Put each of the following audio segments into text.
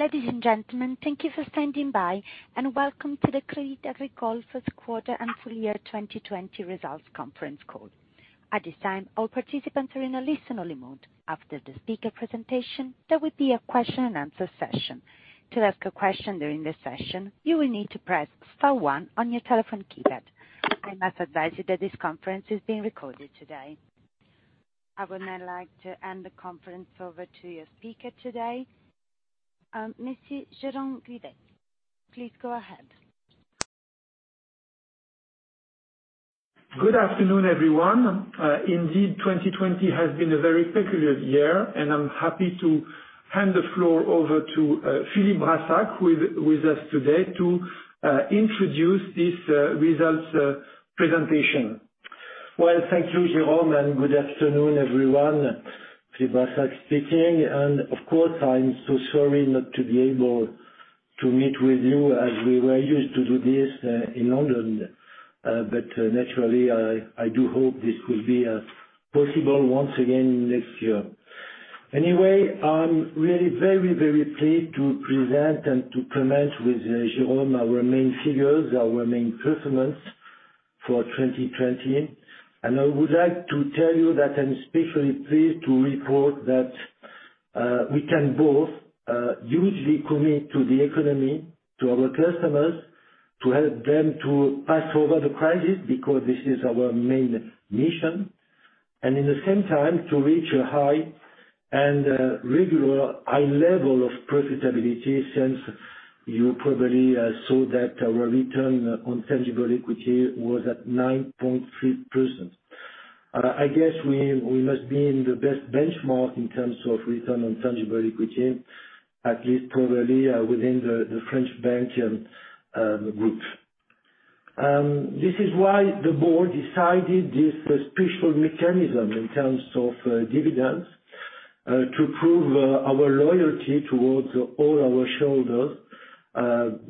Ladies and gentlemen, thank you for standing by, and welcome to the Crédit Agricole Fourth Quarter and Full Year 2020 results conference call. At this time, all participants are in a listen-only mode. After the speaker presentation, there will be a question and answer session. To ask a question during the session, you will need to press star one on your telephone keypad. I must advise you that this conference is being recorded today. I would now like to hand the conference over to your speaker today. Mr. Jérôme Grivet, please go ahead. Good afternoon, everyone. Indeed, 2020 has been a very peculiar year, and I'm happy to hand the floor over to Philippe Brassac with us today to introduce this results presentation. Well, thank you, Jérôme, and good afternoon, everyone. Philippe Brassac speaking. Of course, I'm so sorry not to be able to meet with you as we were used to do this in London. Naturally, I do hope this will be possible once again next year. Anyway, I'm really very, very pleased to present and to commence with Jérôme our main figures, our main performance for 2020. I would like to tell you that I'm especially pleased to report that we can both hugely commit to the economy, to our customers, to help them to pass over the crisis, because this is our main mission. In the same time, to reach a high and regular high level of profitability, since you probably saw that our return on tangible equity was at 9.3%. I guess we must be in the best benchmark in terms of return on tangible equity, at least probably within the French bank and group. This is why the board decided this special mechanism in terms of dividends to prove our loyalty towards all our shareholders,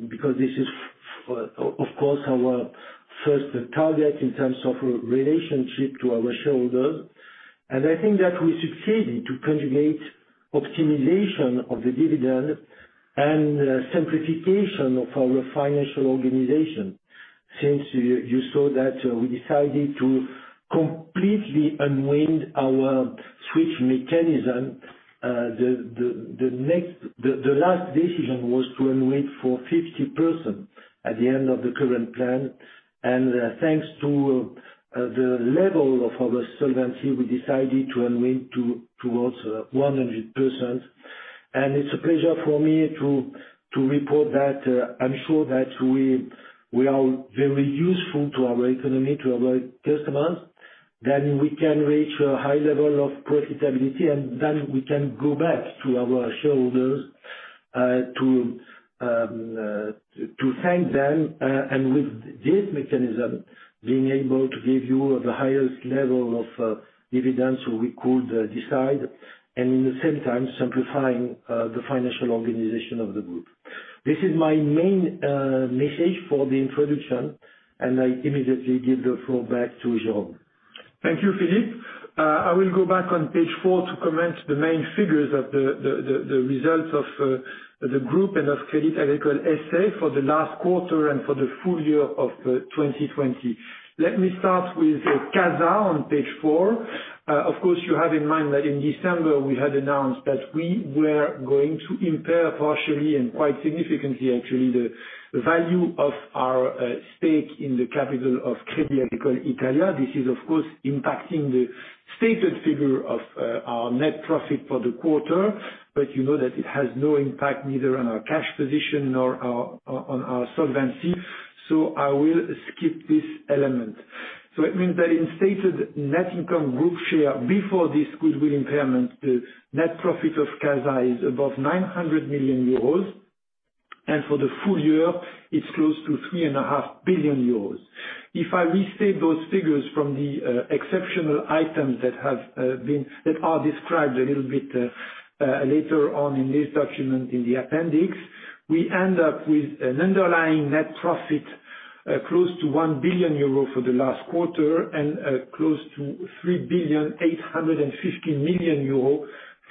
because this is, of course, our first target in terms of relationship to our shareholders. I think that we succeeded to conjugate optimization of the dividend and simplification of our financial organization, since you saw that we decided to completely unwind our Switch mechanism. The last decision was to unwind for 50% at the end of the current plan. Thanks to the level of our solvency, we decided to unwind towards 100%. It's a pleasure for me to report that I'm sure that we are very useful to our economy, to our customers, then we can reach a high level of profitability, and then we can go back to our shareholders to thank them. With this mechanism, being able to give you the highest level of dividends we could decide, and in the same time simplifying the financial organization of the group. This is my main message for the introduction, and I immediately give the floor back to Jérôme. Thank you, Philippe. I will go back on page four to commence the main figures of the results of the group and of Crédit Agricole S.A. for the last quarter and for the full year of 2020. Let me start with CASA on page four. Of course, you have in mind that in December we had announced that we were going to impair partially and quite significantly actually, the value of our stake in the capital of Crédit Agricole Italia. This is, of course, impacting the stated figure of our net profit for the quarter, but you know that it has no impact neither on our cash position nor on our solvency. I will skip this element. It means that in stated net income group share before this goodwill impairment, the net profit of CASA is above 900 million euros, and for the full year, it's close to 3.5 Billion euros. If I restate those figures from the exceptional items that are described a little bit later on in this document in the appendix, we end up with an underlying net profit close to 1 billion euro for the last quarter, and close to 3.85 billion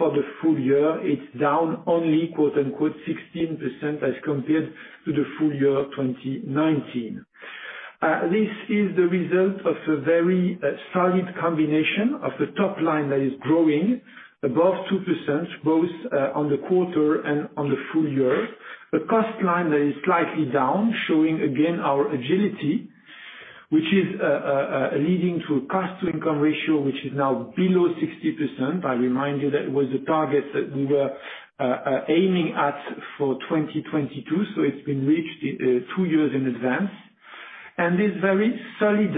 for the full year. It's down only, quote unquote, "16%" as compared to the full year 2019. This is the result of a very solid combination of the top line that is growing above 2% both on the quarter and on the full year. The cost line that is slightly down, showing again our agility, which is leading to a cost to income ratio, which is now below 60%. I remind you that it was the target that we were aiming at for 2022, so it's been reached two years in advance. This very solid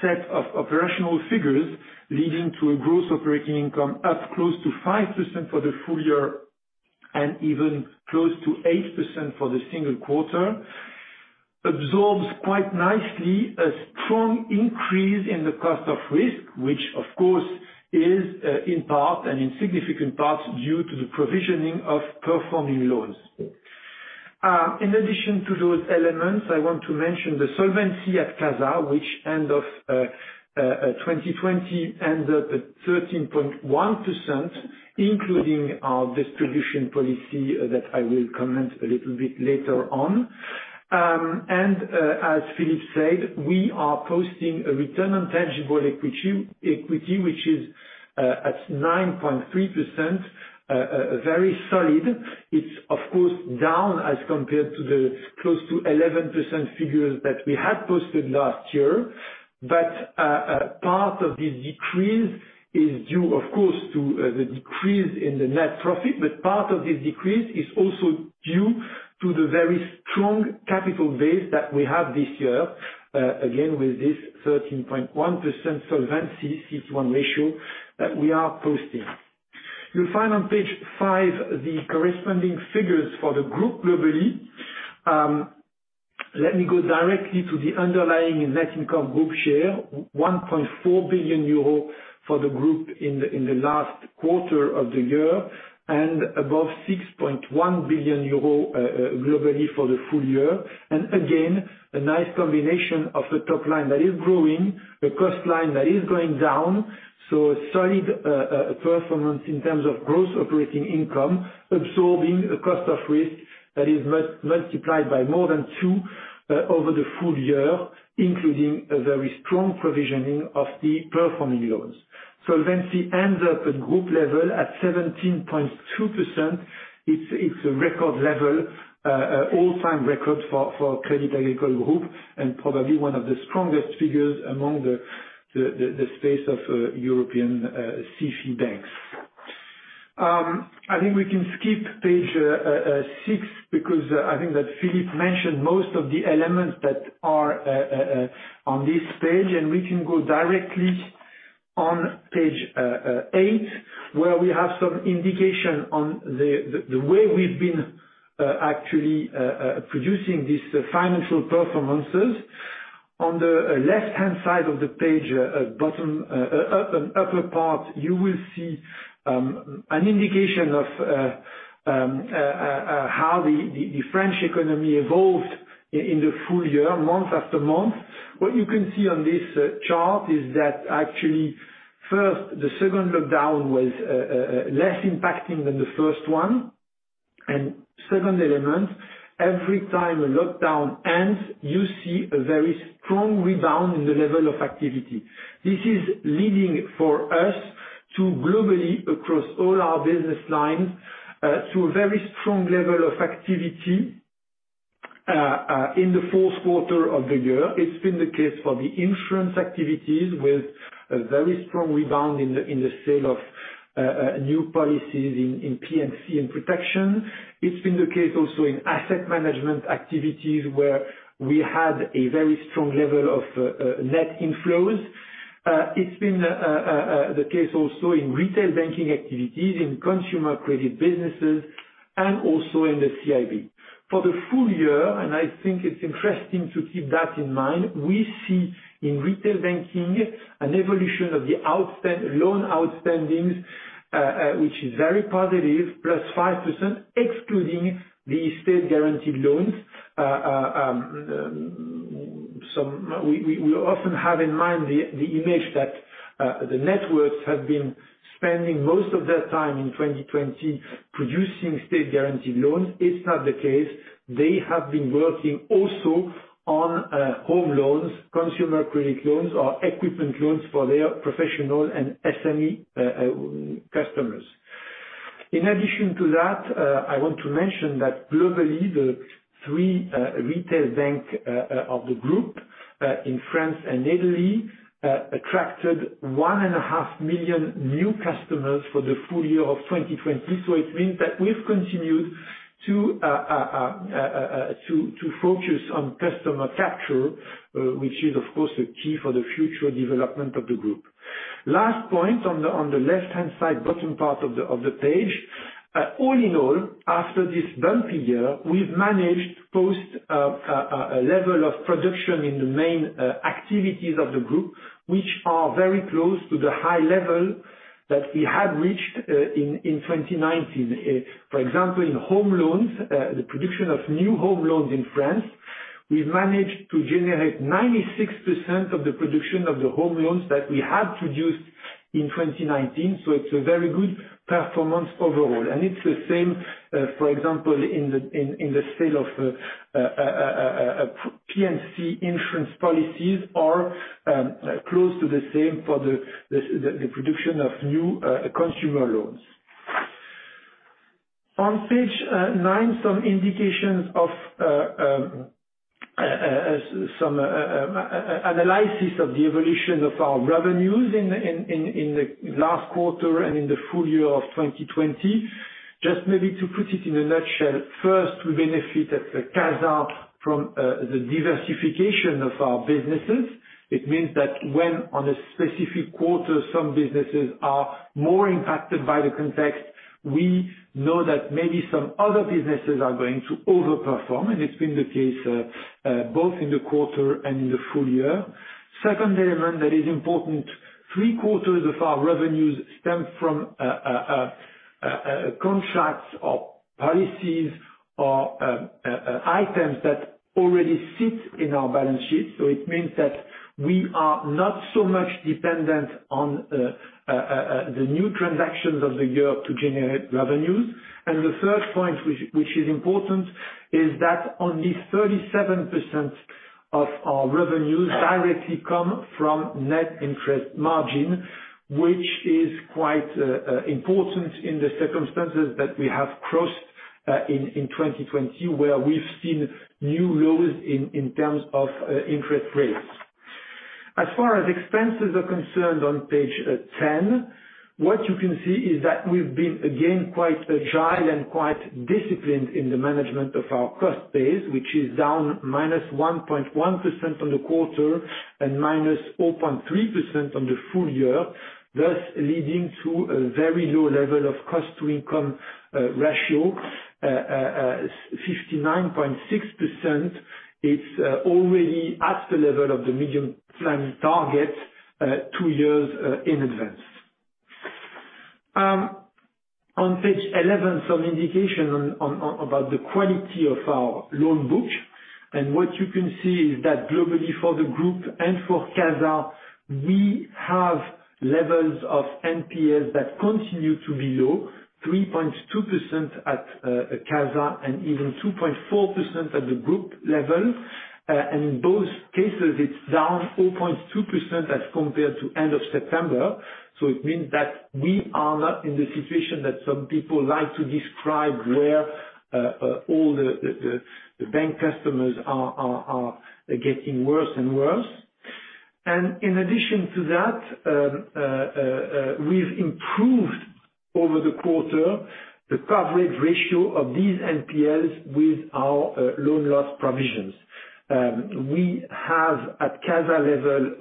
set of operational figures leading to a gross operating income up close to 5% for the full year, and even close to 8% for the single quarter, absorbs quite nicely a strong increase in the cost of risk, which of course is in part, and in significant part, due to the provisioning of performing loans. In addition to those elements, I want to mention the solvency at CASA, which end of 2020 ended at 13.1%, including our distribution policy that I will comment a little bit later on. As Philippe said, we are posting a return on tangible equity, which is at 9.3%, very solid. It's, of course, down as compared to the close to 11% figures that we had posted last year. Part of this decrease is due, of course, to the decrease in the net profit. Part of this decrease is also due to the very strong capital base that we have this year, again, with this 13.1% solvency CET1 ratio that we are posting. You'll find on page five the corresponding figures for the Group globally. Let me go directly to the underlying net income Group share, 1.4 billion euro for the Group in the last quarter of the year and above 6.1 billion euro globally for the full year. Again, a nice combination of a top line that is growing, a cost line that is going down. A solid performance in terms of gross operating income, absorbing a cost of risk that is multiplied by more than two over the full year, including a very strong provisioning of the performing loans. Solvency ends up at group level at 17.2%. It's a record level, all-time record for Crédit Agricole Group and probably one of the strongest figures among the space of European SIFI banks. I think we can skip page six because I think that Philippe mentioned most of the elements that are on this page, and we can go directly on page eight, where we have some indication on the way we've been actually producing these financial performances. On the left-hand side of the page, upper part, you will see an indication of how the French economy evolved in the full year, month after month. What you can see on this chart is that actually, first, the second lockdown was less impacting than the first one. Second element, every time a lockdown ends, you see a very strong rebound in the level of activity. This is leading for us to globally, across all our business lines, to a very strong level of activity in the fourth quarter of the year. It's been the case for the insurance activities with a very strong rebound in the sale of new policies in P&C and protection. It's been the case also in asset management activities where we had a very strong level of net inflows. It's been the case also in retail banking activities, in consumer credit businesses, and also in the CIB. For the full year, I think it's interesting to keep that in mind, we see in retail banking an evolution of the loan outstandings, which is very positive, + 5%, excluding the state-guaranteed loans. We often have in mind the image that the networks have been spending most of their time in 2020 producing state-guaranteed loans. It's not the case. They have been working also on home loans, consumer credit loans, or equipment loans for their professional and SME customers. In addition to that, I want to mention that globally, the three retail bank of the group, in France and Italy, attracted 1.5 Million new customers for the full year of 2020. It means that we've continued to focus on customer capture, which is, of course, a key for the future development of the group. Last point, on the left-hand side, bottom part of the page. All in all, after this bumpy year, we've managed to post a level of production in the main activities of the group, which are very close to the high level that we had reached in 2019. For example, in home loans, the production of new home loans in France, we've managed to generate 96% of the production of the home loans that we had produced in 2019. It's a very good performance overall. It's the same, for example, in the sale of P&C insurance policies or close to the same for the production of new consumer loans. On page nine, some indications of some analysis of the evolution of our revenues in the last quarter and in the full year of 2020. Just maybe to put it in a nutshell, first, we benefit at CASA from the diversification of our businesses. It means that when on a specific quarter, some businesses are more impacted by the context, we know that maybe some other businesses are going to over-perform, and it's been the case both in the quarter and in the full year. Second element that is important. Three-quarters of our revenues stem from contracts or policies, or items that already sit in our balance sheet. It means that we are not so much dependent on the new transactions of the year to generate revenues. The third point, which is important, is that only 37% of our revenues directly come from net interest margin, which is quite important in the circumstances that we have crossed, in 2020, where we've seen new lows in terms of interest rates. As far as expenses are concerned, on page 10, what you can see is that we've been, again, quite agile and quite disciplined in the management of our cost base, which is down -1.1% on the quarter and -0.3% on the full year, thus leading to a very low level of cost to income ratio, 59.6%. It's already at the level of the medium-term target, two years in advance. On page 11, some indication about the quality of our loan book. What you can see is that globally for the group and for CASA, we have levels of NPLs that continue to be low, 3.2% at CASA and even 2.4% at the group level. In both cases, it's down 4.2% as compared to end of September. It means that we are not in the situation that some people like to describe where all the bank customers are getting worse and worse. In addition to that, we've improved over the quarter, the coverage ratio of these NPLs with our loan loss provisions. We have, at CASA level,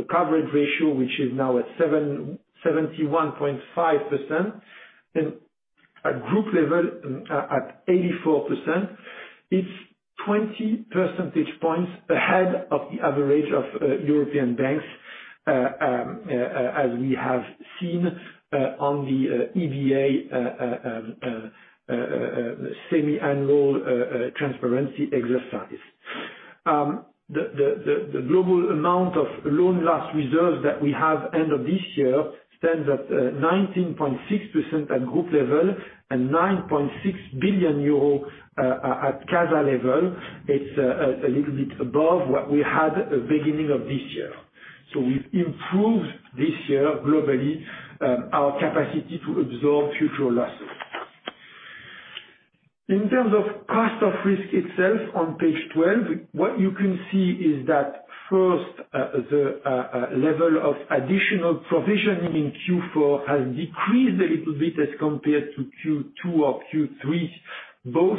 a coverage ratio, which is now at 71.5%, and at group level at 84%. It's 20 percentage points ahead of the average of European banks, as we have seen on the EBA semi-annual transparency exercise. The global amount of loan loss reserves that we have end of this year stands at 19.6% at group level and 9.6 billion euro at CASA level. It's a little bit above what we had beginning of this year. We've improved this year globally, our capacity to absorb future losses. In terms of cost of risk itself on page 12, what you can see is that first, the level of additional provisioning in Q4 has decreased a little bit as compared to Q2 or Q3, both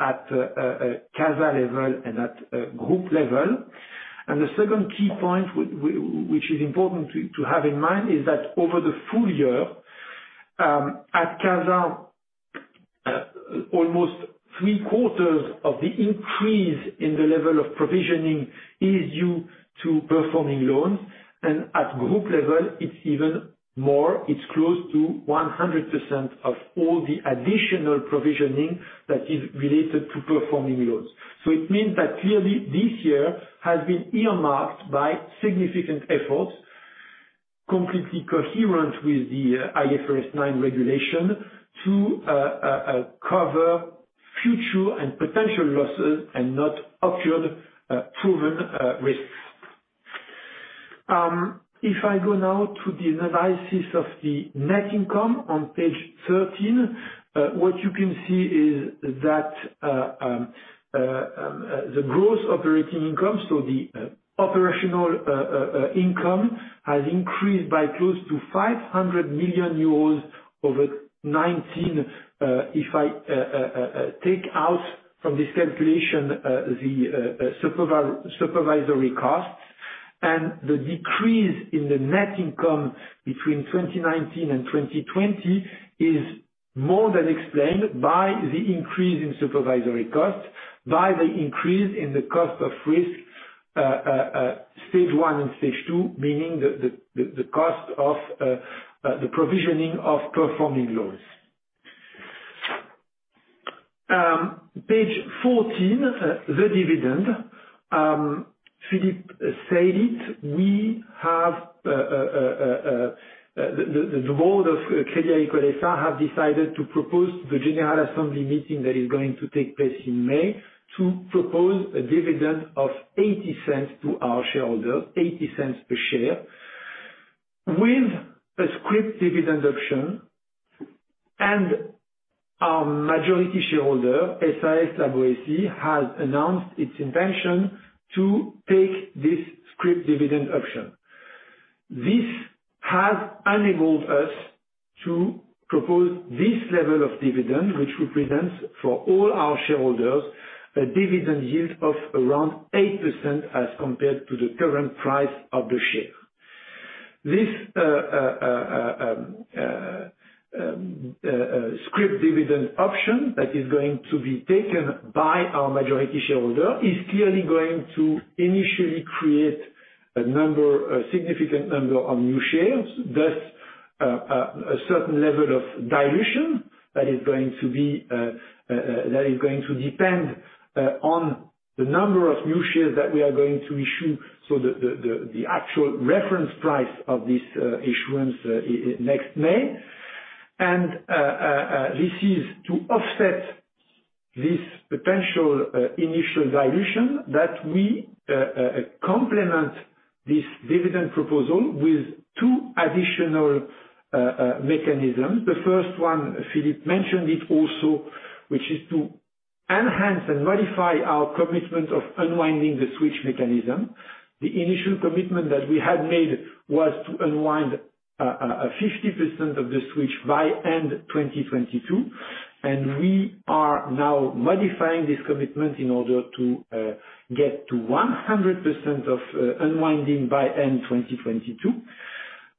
at CASA level and at group level. The second key point which is important to have in mind is that over the full year, at CASA almost three-quarters of the increase in the level of provisioning is due to performing loans. At group level, it's even more, it's close to 100% of all the additional provisioning that is related to performing loans. It means that clearly this year has been earmarked by significant efforts, completely coherent with the IFRS 9 regulation to cover future and potential losses and not actual proven risks. If I go now to the analysis of the net income on page 13, what you can see is that the gross operating income, so the operational income has increased by close to 500 million euros over 2019. If I take out from this calculation, the supervisory costs and the decrease in the net income between 2019 and 2020 is more than explained by the increase in supervisory costs, by the increase in the cost of risk, stage 1 and stage 2, meaning the cost of the provisioning of performing loans. Page 14, the dividend. Philippe said it, the board of Crédit Agricole S.A. have decided to propose to the general assembly meeting that is going to take place in May to propose a dividend of 0.80 to our shareholders, 0.80 per share with a scrip dividend option. Our majority shareholder, SAS La Boétie, has announced its intention to take this scrip dividend option. This has enabled us to propose this level of dividend, which represents, for all our shareholders, a dividend yield of around 8% as compared to the current price of the share. This scrip dividend option that is going to be taken by our majority shareholder is clearly going to initially create a significant number of new shares, thus a certain level of dilution that is going to depend on the number of new shares that we are going to issue, so the actual reference price of this issuance next May. This is to offset this potential initial dilution that we complement this dividend proposal with two additional mechanisms. The first one, Philippe mentioned it also, which is to enhance and modify our commitment of unwinding the switch mechanism. The initial commitment that we had made was to unwind 50% of the switch by end 2022, and we are now modifying this commitment in order to get to 100% of unwinding by end 2022.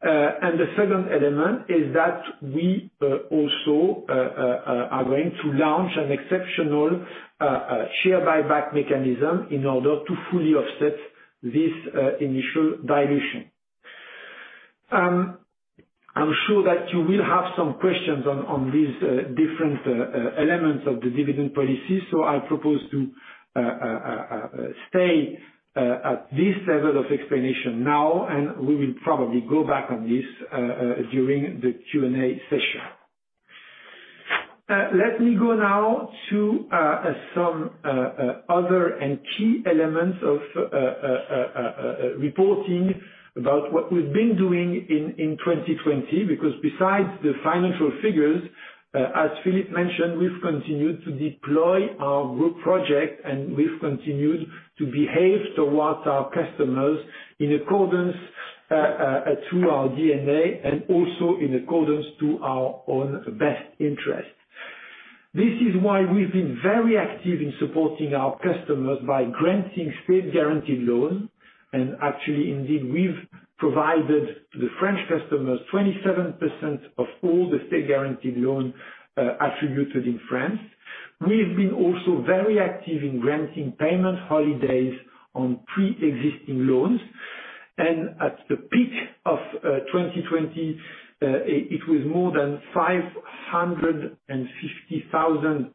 The second element is that we also are going to launch an exceptional share buyback mechanism in order to fully offset this initial dilution. I'm sure that you will have some questions on these different elements of the dividend policy. I propose to stay at this level of explanation now, and we will probably go back on this during the Q&A session. Let me go now to some other and key elements of reporting about what we've been doing in 2020, because besides the financial figures, as Philippe mentioned, we've continued to deploy our Group project and we've continued to behave towards our customers in accordance to our DNA and also in accordance to our own best interest. This is why we've been very active in supporting our customers by granting state-guaranteed loans. Actually, indeed, we've provided to the French customers 27% of all the state-guaranteed loans attributed in France. We've been also very active in granting payment holidays on pre-existing loans. At the peak of 2020, it was more than 550,000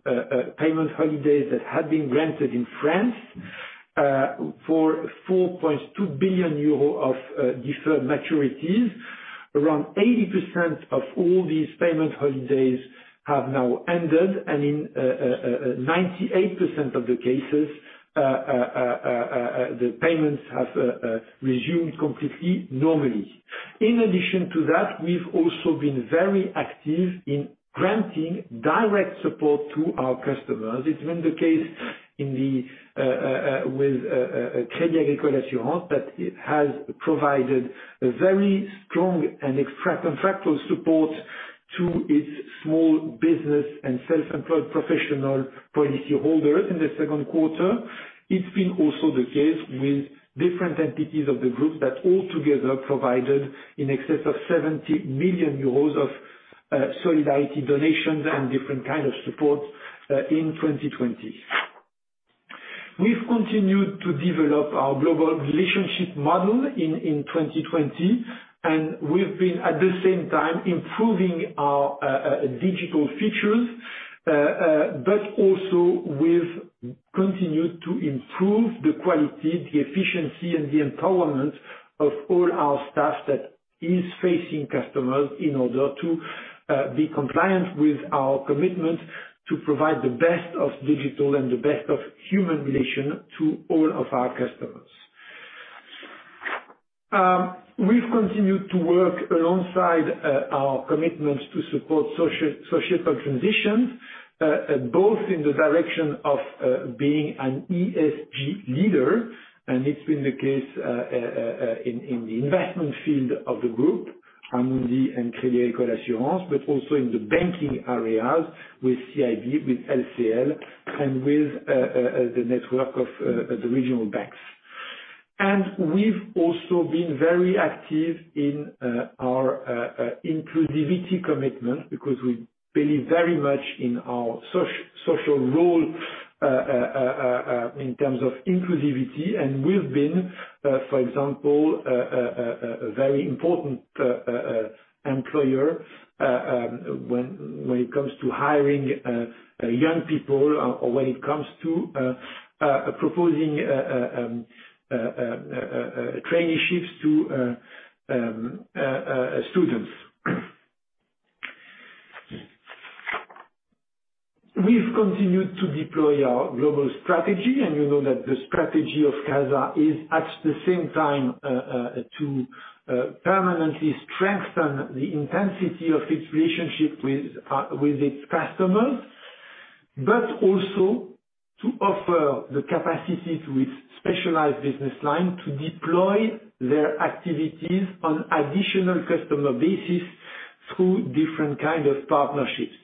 payment holidays that had been granted in France for 4.2 billion euro of deferred maturities. Around 80% of all these payment holidays have now ended, and in 98% of the cases, the payments have resumed completely normally. In addition to that, we've also been very active in granting direct support to our customers. It's been the case with Crédit Agricole Assurances that it has provided a very strong and contractual support to its small business and self-employed professional policy holders in the second quarter. It's been also the case with different entities of the group that all together provided in excess of 70 million euros of solidarity donations and different kind of support in 2020. We've continued to develop our global relationship model in 2020, and we've been at the same time improving our digital features, but also we've continued to improve the quality, the efficiency, and the empowerment of all our staff that is facing customers in order to be compliant with our commitment to provide the best of digital and the best of human relation to all of our customers. We've continued to work alongside our commitments to support societal transitions, both in the direction of being an ESG leader, and it's been the case in the investment field of the group, Amundi and Crédit Agricole Assurances, but also in the banking areas with CIB, with LCL and with the network of the regional banks. We've also been very active in our inclusivity commitment because we believe very much in our social role in terms of inclusivity. We've been, for example, a very important employer when it comes to hiring young people or when it comes to proposing traineeships to students. We've continued to deploy our global strategy, you know that the strategy of CASA is at the same time to permanently strengthen the intensity of its relationship with its customers, but also to offer the capacities with specialized business line to deploy their activities on additional customer bases through different kind of partnerships.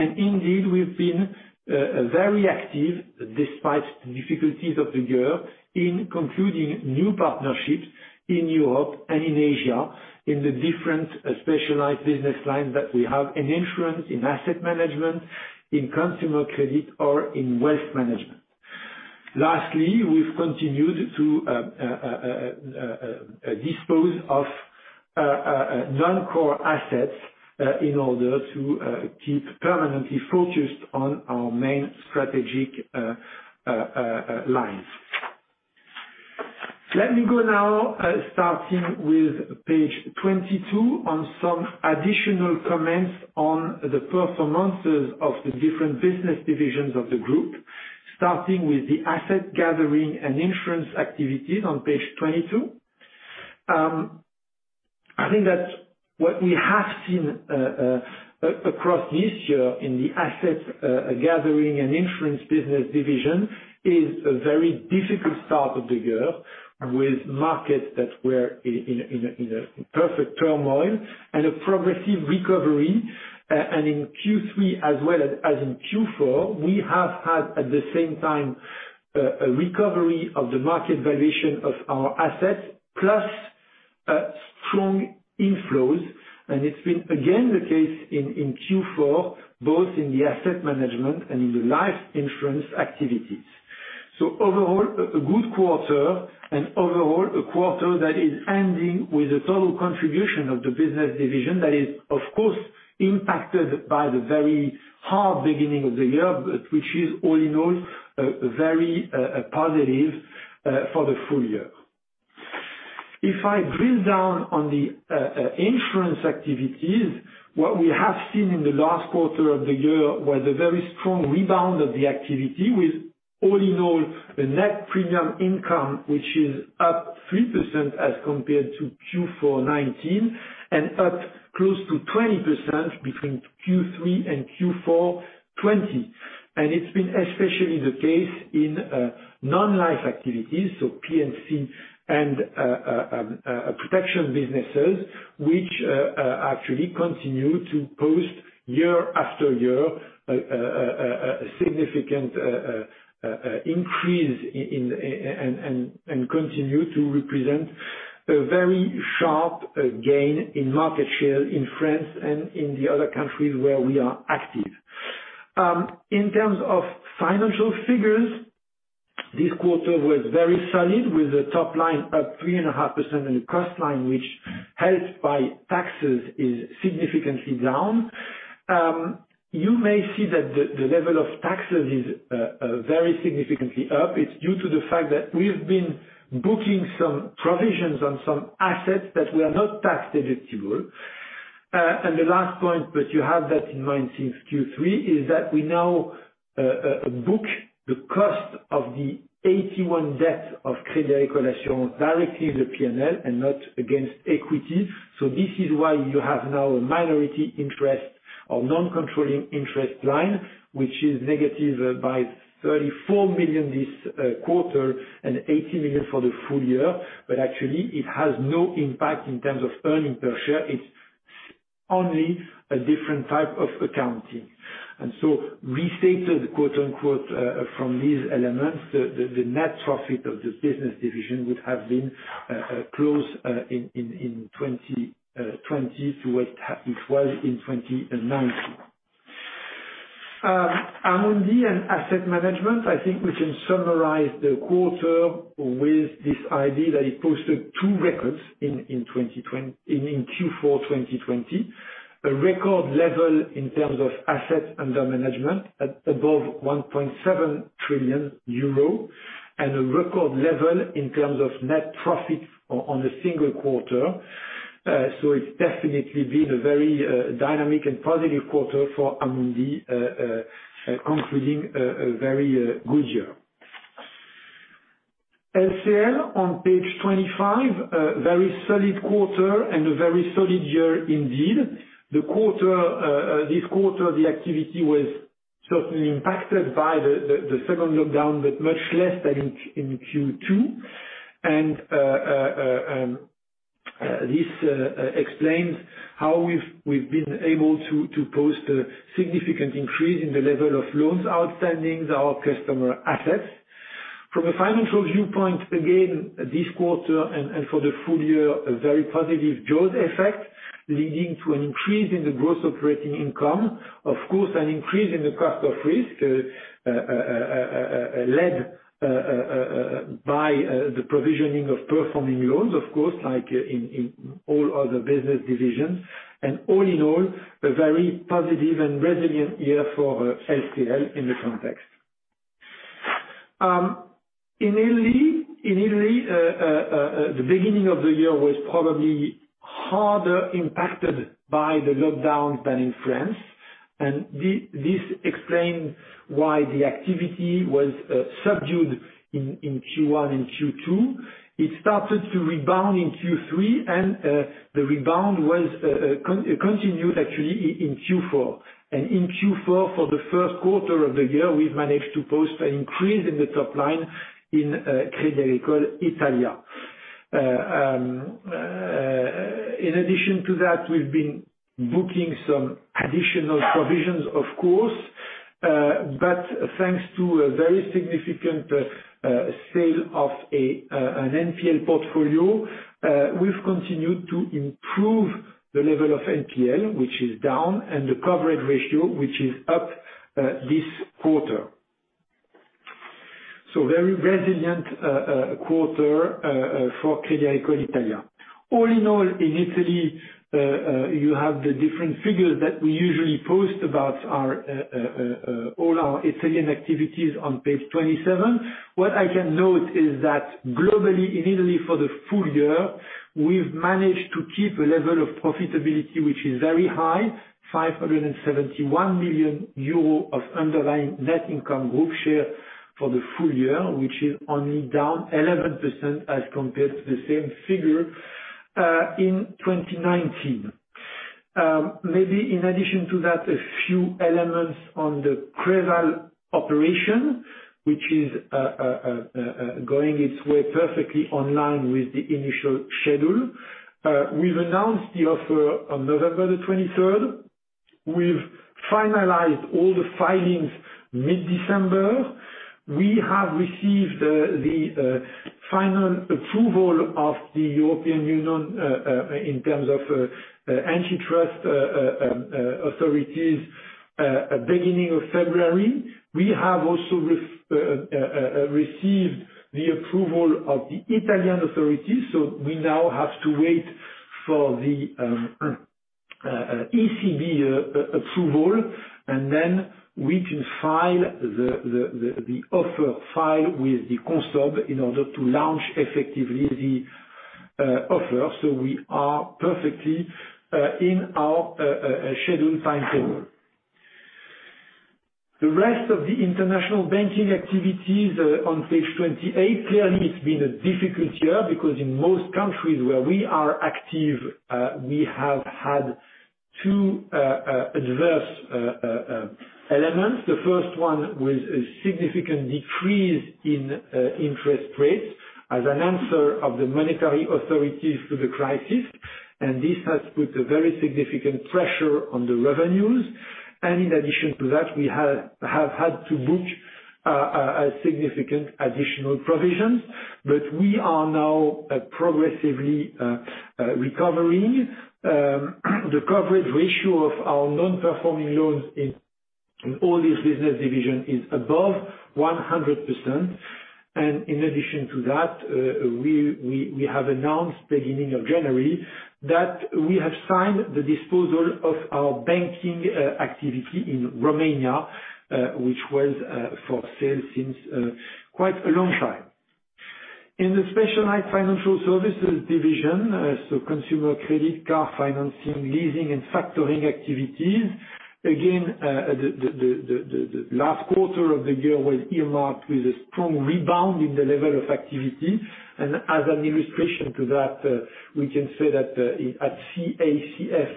Indeed, we've been very active despite the difficulties of the year in concluding new partnerships in Europe and in Asia, in the different specialized business lines that we have in insurance, in asset management, in consumer credit, or in wealth management. Lastly, we've continued to dispose of non-core assets in order to keep permanently focused on our main strategic lines. Let me go now, starting with page 22, on some additional comments on the performances of the different business divisions of the group, starting with the asset gathering and insurance activities on page 22. I think that what we have seen across this year in the asset gathering and insurance business division is a very difficult start of the year with markets that were in perfect turmoil and a progressive recovery. In Q3 as well as in Q4, we have had, at the same time, a recovery of the market valuation of our assets, plus strong inflows. It's been again the case in Q4, both in the asset management and in the life insurance activities. Overall, a good quarter, and overall a quarter that is ending with a total contribution of the business division that is, of course, impacted by the very hard beginning of the year, but which is all in all, very positive for the full year. If I drill down on the insurance activities, what we have seen in the last quarter of the year was a very strong rebound of the activity with all in all, the net premium income, which is up 3% as compared to Q4 2019, and up close to 20% between Q3 and Q4 2020. It's been especially the case in non-life activities, so P&C and protection businesses, which actually continue to post year after year, a significant increase and continue to represent a very sharp gain in market share in France and in the other countries where we are active. In terms of financial figures, this quarter was very solid with the top line up 3.5% and the cost line, which helped by taxes, is significantly down. You may see that the level of taxes is very significantly up. It's due to the fact that we've been booking some provisions on some assets that were not tax deductible. The last point, but you have that in mind since Q3, is that we now book the cost of the AT1 debt of Crédit Agricole directly in the P&L and not against equity. This is why you have now a minority interest or non-controlling interest line, which is negative by 34 million this quarter and 80 million for the full year. Actually it has no impact in terms of earnings per share. It's only a different type of accounting. Restated, quote-unquote, from these elements, the net profit of this business division would have been close in 2020 to what it was in 2019. Amundi and Asset Management, I think we can summarize the quarter with this idea that it posted two records in Q4 2020. A record level in terms of assets under management at above 1.7 trillion euro, a record level in terms of net profit on a single quarter. It's definitely been a very dynamic and positive quarter for Amundi, concluding a very good year. LCL on page 25, a very solid quarter and a very solid year indeed. This quarter, the activity was certainly impacted by the second lockdown, but much less than in Q2. This explains how we've been able to post a significant increase in the level of loans outstanding to our customer assets. From a financial viewpoint, again, this quarter and for the full year, a very positive jaws effect leading to an increase in the gross operating income. Of course, an increase in the cost of risk, led by the provisioning of performing loans, of course, like in all other business divisions. All in all, a very positive and resilient year for LCL in the context. In Italy, the beginning of the year was probably harder impacted by the lockdown than in France. This explained why the activity was subdued in Q1 and Q2. It started to rebound in Q3. The rebound continued actually in Q4. In Q4, for the first quarter of the year, we've managed to post an increase in the top line in Crédit Agricole Italia. In addition to that, we've been booking some additional provisions, of course, but thanks to a very significant sale of an NPL portfolio, we've continued to improve the level of NPL, which is down, and the coverage ratio, which is up this quarter. Very resilient quarter for Crédit Agricole Italia. In Italy, you have the different figures that we usually post about all our Italian activities on page 27. What I can note is that globally, in Italy, for the full year, we've managed to keep a level of profitability, which is very high, 571 million euro of underlying net income group share for the full year, which is only down 11% as compared to the same figure in 2019. Maybe in addition to that, a few elements on the Creval operation, which is going its way perfectly online with the initial schedule. We've announced the offer on November the 23rd. We've finalized all the filings mid-December. We have received the final approval of the European Union, in terms of antitrust authorities, beginning of February. We have also received the approval of the Italian authorities. We now have to wait for the ECB approval, and then we can file the offer file with the CONSOB in order to launch effectively the offer. We are perfectly in our scheduled timetable. The rest of the international banking activities are on page 28. Clearly, it's been a difficult year because in most countries where we are active, we have had two adverse elements. The first one was a significant decrease in interest rates as an answer of the monetary authorities to the crisis, and this has put a very significant pressure on the revenues. In addition to that, we have had to book a significant additional provisions, but we are now progressively recovering. The coverage ratio of our non-performing loans in all this business division is above 100%. In addition to that, we have announced beginning of January, that we have signed the disposal of our banking activity in Romania, which was for sale since quite a long time. In the specialized financial services division, consumer credit, car financing, leasing, and factoring activities, again, the last quarter of the year was earmarked with a strong rebound in the level of activity. As an illustration to that, we can say that at CACF,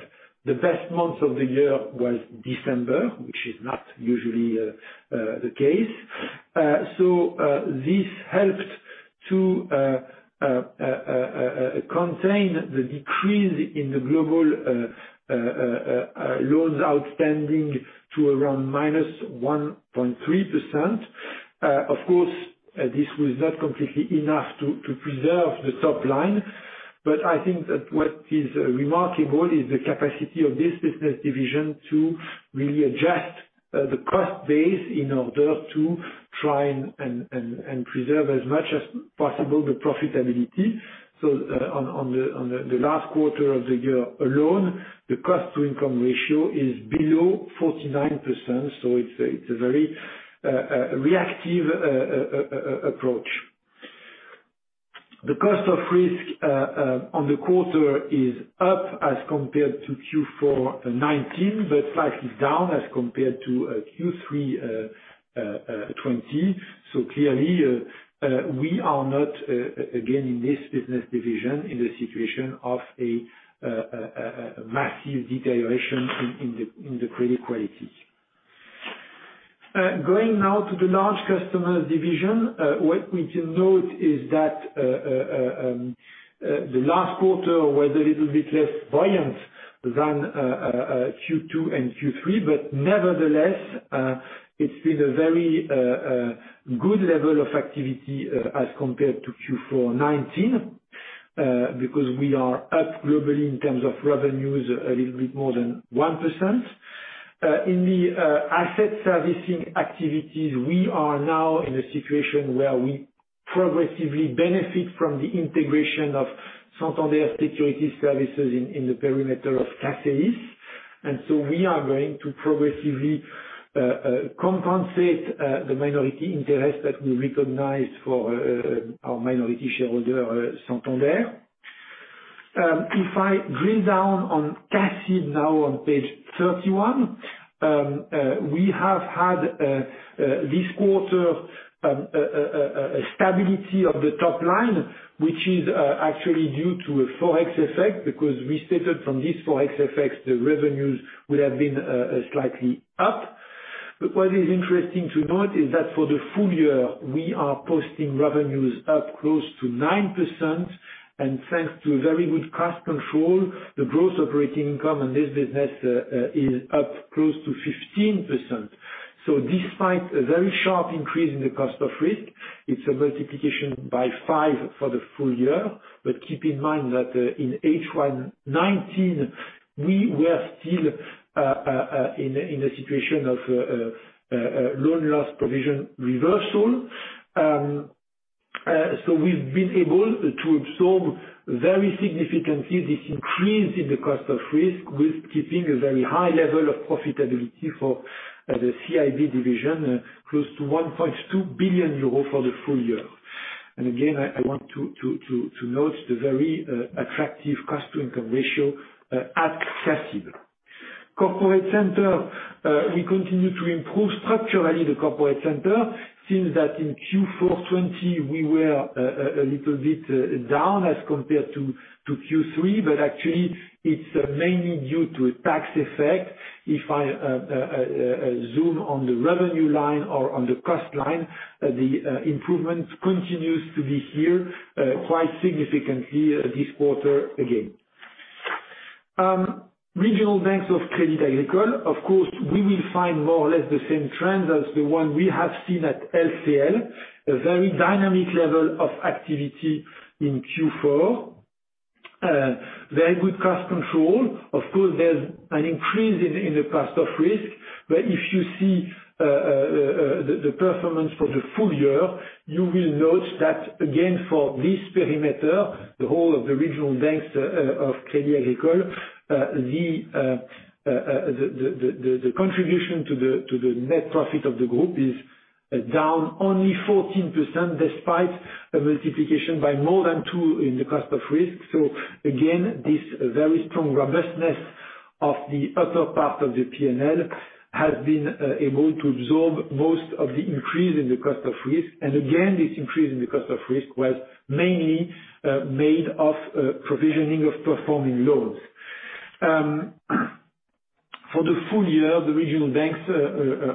the best month of the year was December, which is not usually the case. This helped to contain the decrease in the global loans outstanding to around minus 1.3%. Of course, this was not completely enough to preserve the top line, but I think that what is remarkable is the capacity of this business division to really adjust the cost base in order to try and preserve as much as possible the profitability. On the last quarter of the year alone, the cost to income ratio is below 49%, so it's a very reactive approach. The cost of risk on the quarter is up as compared to Q4 2019, but slightly down as compared to Q3 2020. Clearly, we are not, again, in this business division, in the situation of a massive deterioration in the credit quality. Going now to the large customer division, what we can note is that the last quarter was a little bit less buoyant than Q2 and Q3. Nevertheless, it's been a very good level of activity as compared to Q4 2019, because we are up globally in terms of revenues a little bit more than 1%. In the asset servicing activities, we are now in a situation where we progressively benefit from the integration of Santander Securities Services in the perimeter of CACEIS. We are going to progressively compensate the minority interest that we recognize for our minority shareholder, Santander. If I drill down on CACEIS now on page 31, we have had this quarter a stability of the top line, which is actually due to a Forex effect, because restated from this Forex effect, the revenues would have been slightly up. What is interesting to note is that for the full year, we are posting revenues up close to 9%, and thanks to very good cost control, the gross operating income in this business is up close to 15%. Despite a very sharp increase in the cost of risk, it's a multiplication by five for the full year. Keep in mind that in H1 2019, we were still in a situation of loan loss provision reversal. We've been able to absorb very significantly this increase in the cost of risk with keeping a very high level of profitability for the CIB division, close to 1.2 billion euro for the full year. Again, I want to note the very attractive cost-to-income ratio at CIB. Corporate Center, we continue to improve structurally the Corporate Center. Seems that in Q4 2020, we were a little bit down as compared to Q3, but actually, it's mainly due to a tax effect. If I zoom on the revenue line or on the cost line, the improvement continues to be here quite significantly this quarter again. Regional Banks of Crédit Agricole, of course, we will find more or less the same trends as the one we have seen at LCL. A very dynamic level of activity in Q4. Very good cost control. Of course, there's an increase in the cost of risk. If you see the performance for the full year, you will note that again, for this perimeter, the whole of the regional banks of Crédit Agricole, the contribution to the net profit of the group is down only 14%, despite a multiplication by more than two in the cost of risk. Again, this very strong robustness of the upper part of the P&L has been able to absorb most of the increase in the cost of risk. Again, this increase in the cost of risk was mainly made of provisioning of performing loans. For the full year, the regional banks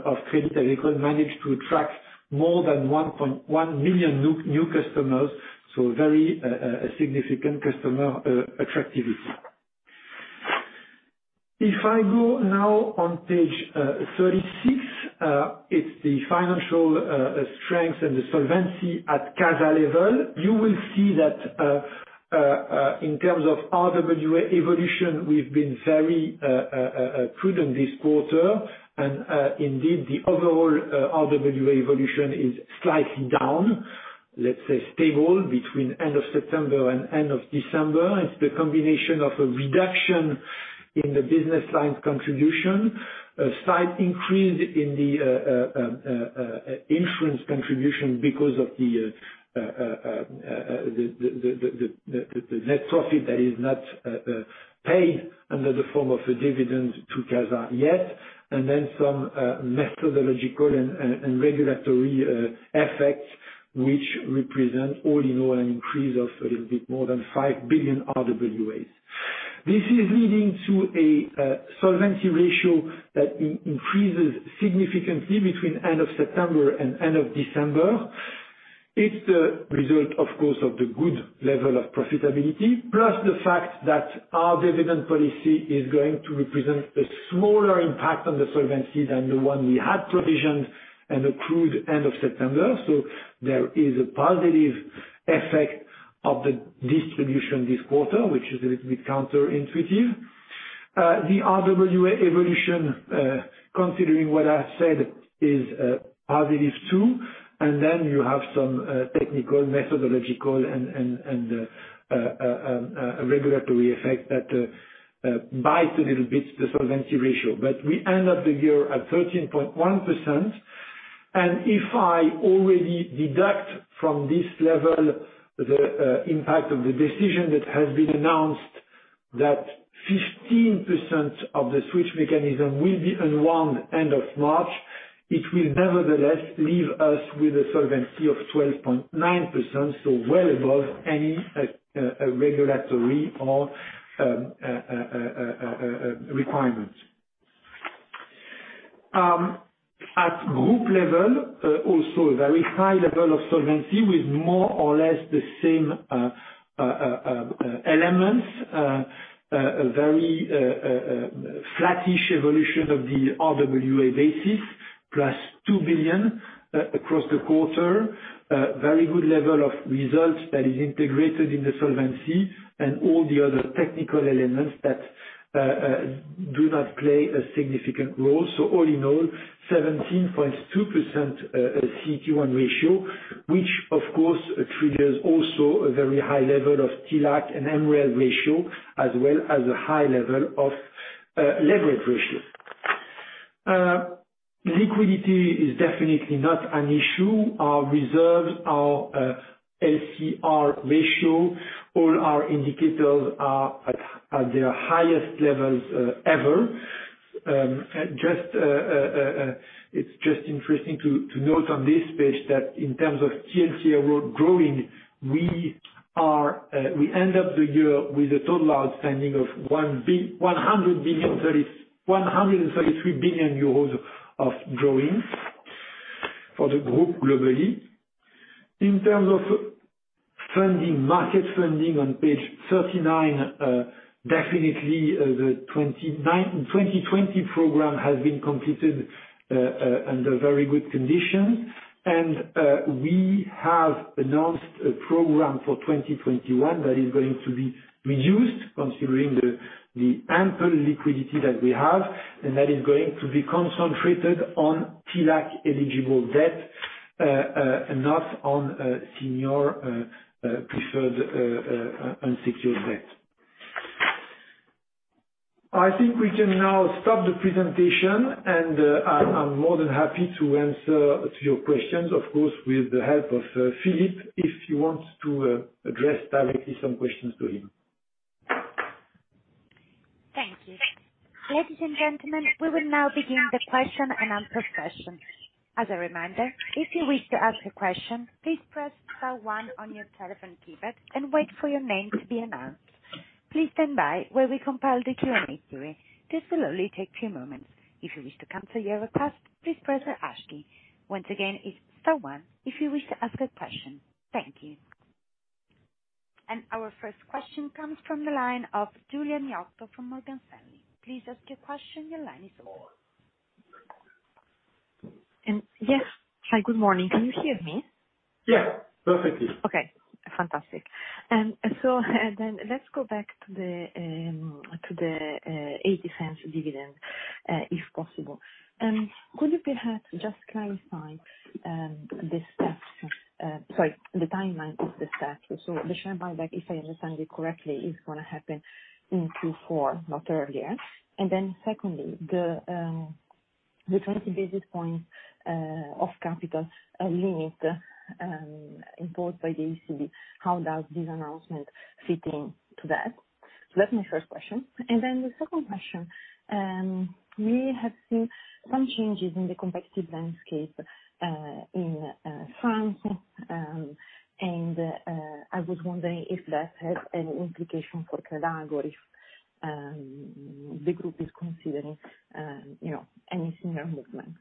of Crédit Agricole managed to attract more than 1.1 million new customers, very significant customer attractivity. I go now on page 36, it's the financial strength and the solvency at CASA level. You will see that in terms of RWA evolution, we've been very prudent this quarter. Indeed, the overall RWA evolution is slightly down, let's say stable between end of September and end of December. It's the combination of a reduction in the business line contribution, a slight increase in the insurance contribution because of the net profit that is not paid under the form of a dividend to CASA yet. Then some methodological and regulatory effects, which represent all an increase of a little bit more than 5 billion RWAs. This is leading to a solvency ratio that increases significantly between end of September and end of December. It's the result, of course, of the good level of profitability, plus the fact that our dividend policy is going to represent a smaller impact on the solvency than the one we had provisioned and accrued end of September. There is a positive effect of the distribution this quarter, which is a little bit counter-intuitive. The RWA evolution, considering what I said, is positive too, and then you have some technical, methodological, and regulatory effect that bites a little bit the solvency ratio. We end up the year at 13.1%, and if I already deduct from this level the impact of the decision that has been announced that 15% of the switch mechanism will be unwound end of March, it will nevertheless leave us with a solvency of 12.9%, so well above any regulatory or requirement. At group level, also very high level of solvency with more or less the same elements. A very flattish evolution of the RWA basis, plus 2 billion across the quarter. Very good level of results that is integrated in the solvency, and all the other technical elements that do not play a significant role. All in all, 17.2% CET1 ratio, which of course triggers also a very high level of TLAC and MREL ratio, as well as a high level of leverage ratio. Liquidity is definitely not an issue. Our reserve, our LCR ratio, all our indicators are at their highest levels ever. It's just interesting to note on this page that in terms of TLAC growing, we end up the year with a total outstanding of 133 billion euros of growing. For the group globally. In terms of funding, market funding on page 39, definitely the 2020 program has been completed under very good conditions, and we have announced a program for 2021 that is going to be reduced considering the ample liquidity that we have, and that is going to be concentrated on TLAC-eligible debt, not on senior preferred unsecured debt. I think we can now stop the presentation, and I'm more than happy to answer to your questions, of course, with the help of Philippe, if you want to address directly some questions to him. Thank you. Ladies and gentlemen, we will now begin the question and answer session. As a reminder, if you wish to ask a question, please press star 1 on your telephone keypad and wait for your name to be announced. Please stand by while we compile the Q&A queue. This will only take few moments. If you wish to cancel your request, please press hash key. Once again, it's star 1 if you wish to ask a question. Thank you. Our first question comes from the line of Giulia Miotto from Morgan Stanley. Please ask your question. Your line is open. Yes. Hi, good morning. Can you hear me? Yeah, perfectly. Okay, fantastic. Let's go back to the 0.80 dividend, if possible. Could you perhaps just clarify the timeline of the steps? The share buyback, if I understand you correctly, is going to happen in Q4, not earlier. Secondly, the 20 basis points of capital limit imposed by the ECB, how does this announcement fit into that? That's my first question. The second question, we have seen some changes in the competitive landscape, in France. I was wondering if that has any implication for Crédagri, if the group is considering anything in that movement.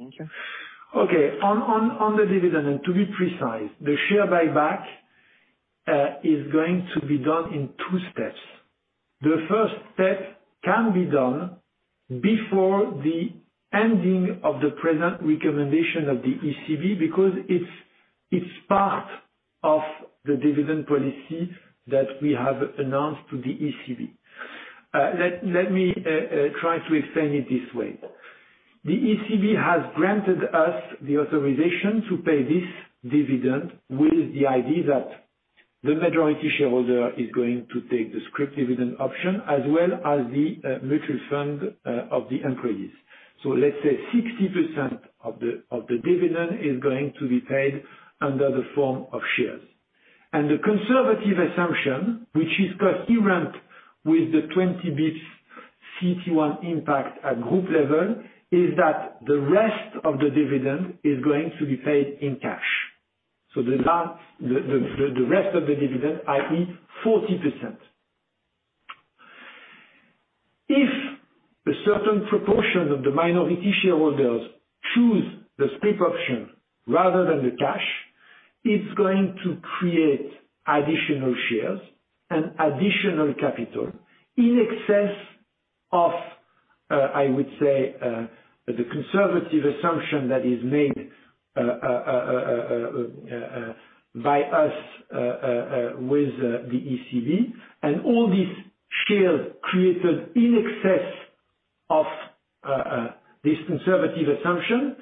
Thank you. Okay. On the dividend, and to be precise, the share buyback, is going to be done in two steps. The first step can be done before the ending of the present recommendation of the ECB, because it's part of the dividend policy that we have announced to the ECB. Let me try to explain it this way. The ECB has granted us the authorization to pay this dividend with the idea that the majority shareholder is going to take the scrip dividend option as well as the mutual fund of the employees. Let's say 60% of the dividend is going to be paid under the form of shares. The conservative assumption, which is coherent with the 20 basis points CET1 impact at group level, is that the rest of the dividend is going to be paid in cash. The rest of the dividend, i.e., 40%. If a certain proportion of the minority shareholders choose the scrip option rather than the cash, it's going to create additional shares and additional capital in excess of, I would say, the conservative assumption that is made by us, with the ECB. All these shares created in excess of this conservative assumption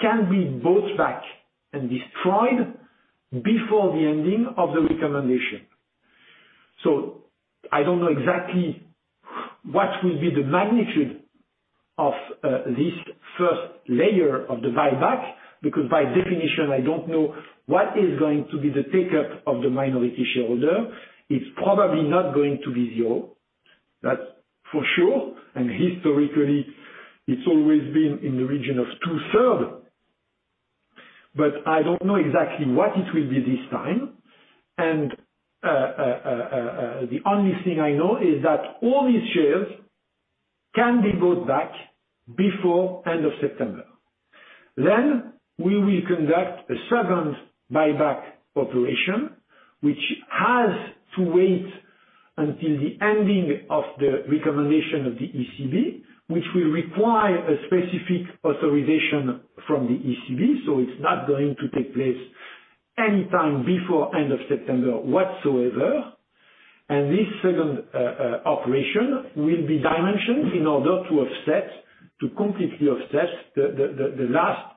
can be bought back and destroyed before the ending of the recommendation. I don't know exactly what will be the magnitude of this first layer of the buyback, because by definition, I don't know what is going to be the take-up of the minority shareholder. It's probably not going to be zero, that's for sure. Historically, it's always been in the region of two-third. I don't know exactly what it will be this time. The only thing I know is that all these shares can be bought back before end of September. We will conduct a second buyback operation, which has to wait until the ending of the recommendation of the ECB, which will require a specific authorization from the ECB. It's not going to take place anytime before end of September whatsoever. This second operation will be dimensioned in order to completely offset the last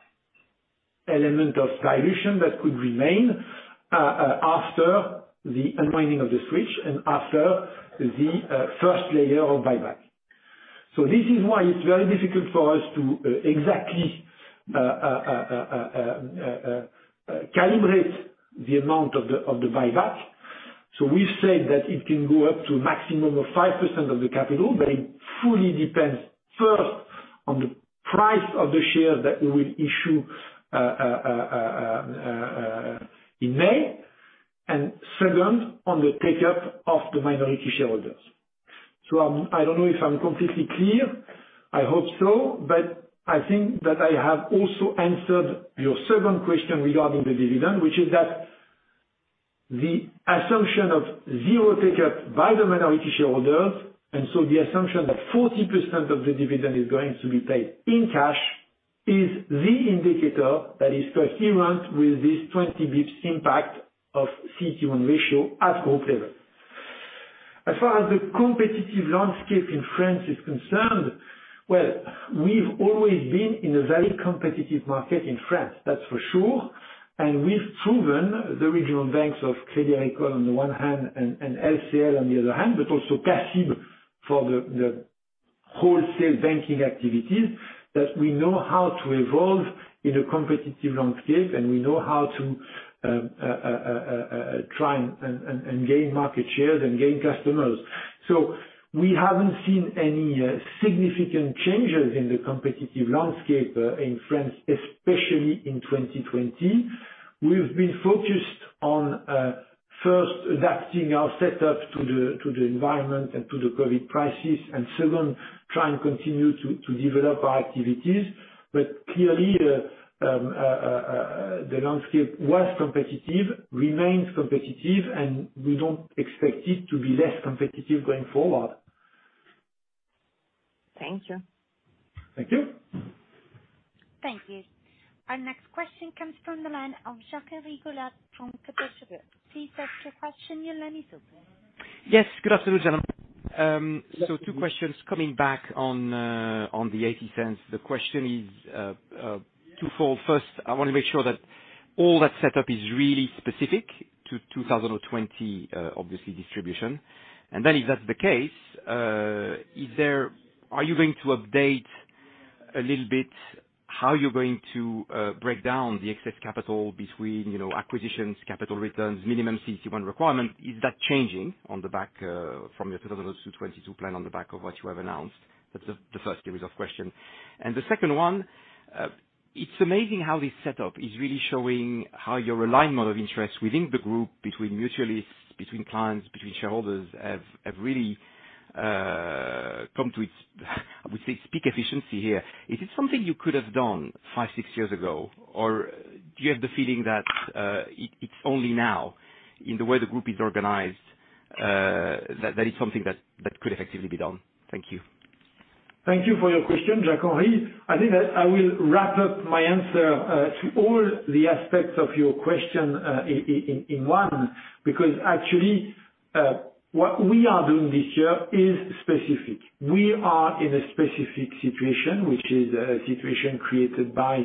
element of dilution that could remain, after the unwinding of the switch and after the first layer of buyback. This is why it's very difficult for us to exactly calibrate the amount of the buyback. We've said that it can go up to a maximum of 5% of the capital, but it fully depends, first, on the price of the share that we will issue in May, and second, on the take-up of the minority shareholders. I don't know if I'm completely clear, I hope so. I think that I have also answered your second question regarding the dividend, which is that the assumption of zero take-up by the minority shareholders, and so the assumption that 40% of the dividend is going to be paid in cash, is the indicator that is coherent with this 20 basis points impact of CET1 ratio at group level. As far as the competitive landscape in France is concerned, well, we've always been in a very competitive market in France, that's for sure. We've proven, the regional banks of Crédit Agricole on the one hand, and LCL on the other hand, but also CACIB for the wholesale banking activities, that we know how to evolve in a competitive landscape, and we know how to try and gain market shares and gain customers. We haven't seen any significant changes in the competitive landscape in France, especially in 2020. We've been focused on, first, adapting our setup to the environment and to the COVID crisis. Second, try and continue to develop our activities. Clearly, the landscape was competitive, remains competitive, and we don't expect it to be less competitive going forward. Thank you. Thank you. Thank you. Our next question comes from the line of Jacques-Henri Gaulard from Kepler Cheuvreux. To ask your question, your line is open. Yes, good afternoon, gentlemen. Yes. Two questions coming back on the 0.80. The question is twofold. First, I want to make sure that all that setup is really specific to 2020, obviously, distribution. If that's the case, are you going to update a little bit how you're going to breakdown the excess capital between acquisitions, capital returns, minimum CET1 requirement? Is that changing from your 2022 plan on the back of what you have announced? That's the first series of question. The second one, it's amazing how this setup is really showing how your alignment of interests within the group, between mutualists, between clients, between shareholders have really come to its, I would say, peak efficiency here. Is it something you could have done five, six years ago? Do you have the feeling that it's only now, in the way the group is organized, that it's something that could effectively be done? Thank you. Thank you for your question, Jacques-Henri. I think that I will wrap up my answer to all the aspects of your question in one, because actually, what we are doing this year is specific. We are in a specific situation, which is a situation created by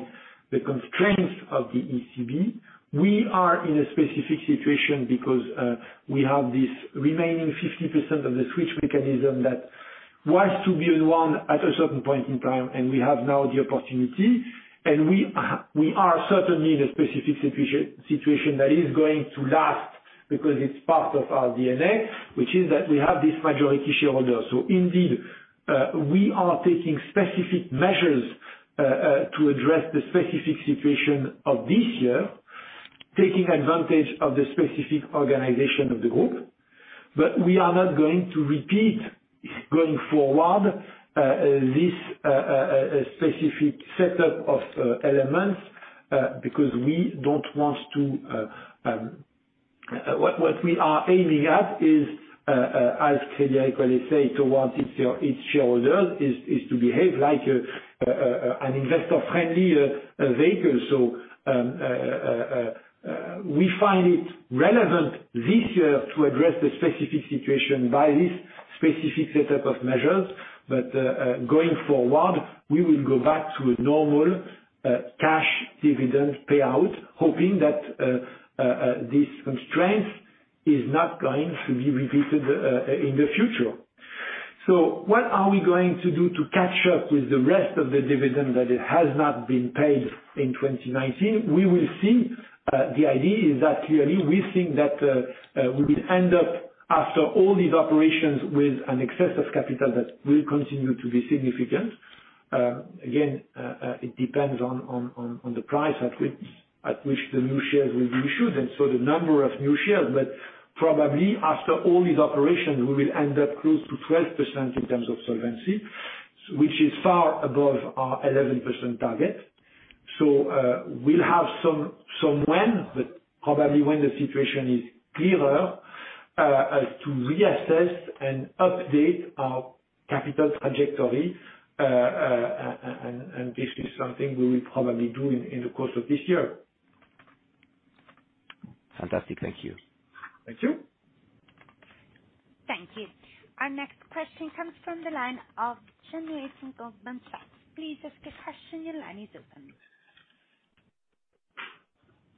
the constraints of the ECB. We are in a specific situation because we have this remaining 50% of the switch mechanism that was to be withdrawn at a certain point in time, and we have now the opportunity. We are certainly in a specific situation that is going to last because it's part of our DNA, which is that we have this majority shareholder. Indeed, we are taking specific measures to address the specific situation of this year, taking advantage of the specific organization of the group. We are not going to repeat, going forward, this specific set up of elements, because what we are aiming at is, as Crédit Agricole is saying towards its shareholders, is to behave like an investor-friendly vehicle. We find it relevant this year to address the specific situation by this specific set up of measures. Going forward, we will go back to a normal cash dividend payout, hoping that this constraint is not going to be repeated in the future. What are we going to do to catch up with the rest of the dividend that it has not been paid in 2019? We will see. The idea is that clearly we think that we will end up, after all these operations, with an excess of capital that will continue to be significant. It depends on the price at which the new shares will be issued, and so the number of new shares. Probably after all these operations, we will end up close to 12% in terms of solvency, which is far above our 11% target. We'll have some when, but probably when the situation is clearer, as to reassess and update our capital trajectory, and this is something we will probably do in the course of this year. Fantastic. Thank you. Thank you. Thank you. Our next question comes from the line of Jean Neuez from Goldman Sachs. Please ask your question. Your line is open.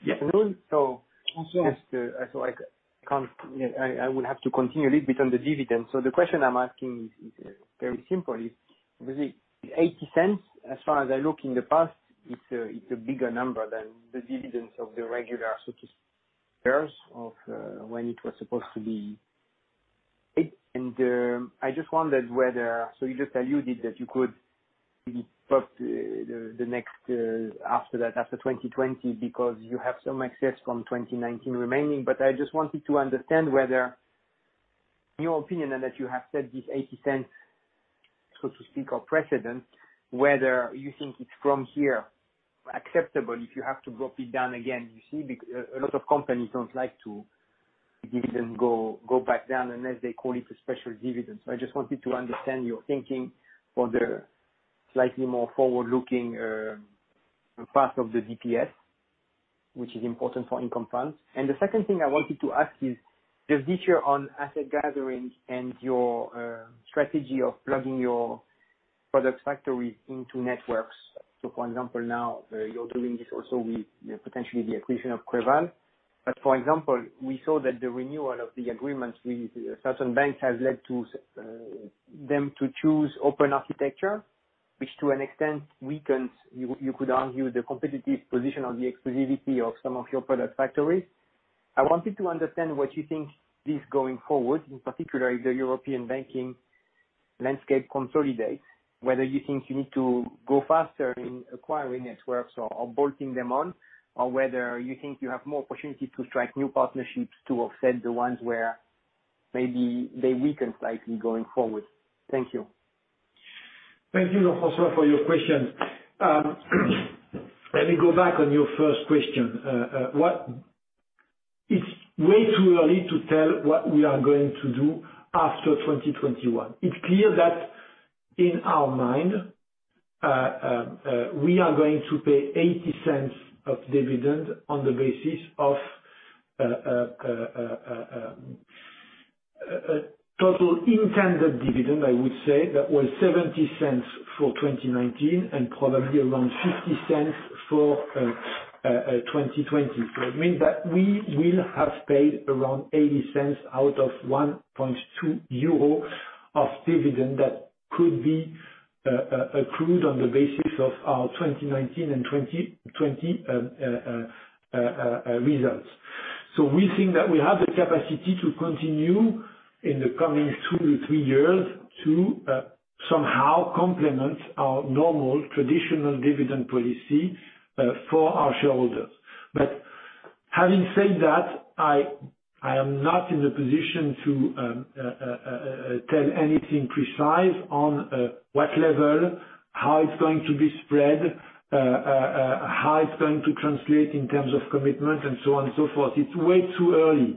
Yes. Hello. Jean. I would have to continue a little bit on the dividend. The question I'm asking is very simple, is with the EUR 0.80, as far as I look in the past, it's a bigger number than the dividends of the regular years of when it was supposed to be paid. I just wondered whether the next, after that, after 2020, because you have some excess from 2019 remaining, I just wanted to understand whether in your opinion, and that you have set this 0.80, so to speak, of precedent, whether you think it's from here acceptable if you have to drop it down again. You see, a lot of companies don't like to dividend go back down unless they call it a special dividend. I just wanted to understand your thinking for the slightly more forward-looking part of the DPS, which is important for income plans. The second thing I wanted to ask is the feature on asset gathering and your strategy of plugging your product factory into networks. For example, now, you're doing this also with potentially the acquisition of Creval. For example, we saw that the renewal of the agreements with certain banks has led them to choose open architecture, which to an extent weakens, you could argue, the competitive position or the exclusivity of some of your product factories. I wanted to understand what you think this going forward, in particular if the European banking landscape consolidates, whether you think you need to go faster in acquiring networks or bolting them on, or whether you think you have more opportunity to strike new partnerships to offset the ones where maybe they weaken slightly going forward. Thank you. Thank you, François, for your question. Let me go back on your first question. It's way too early to tell what we are going to do after 2021. It's clear that in our mind, we are going to pay 0.80 of dividend on the basis of, total intended dividend, I would say, that was 0.70 for 2019 and probably around 0.50 for, 2020. It means that we will have paid around 0.80 out of 1.2 euro of dividend that could be accrued on the basis of our 2019 and 2020 results. We think that we have the capacity to continue in the coming two to three years to somehow complement our normal traditional dividend policy for our shareholders. Having said that, I am not in the position to tell anything precise on what level, how it's going to be spread, how it's going to translate in terms of commitment and so on and so forth. It's way too early.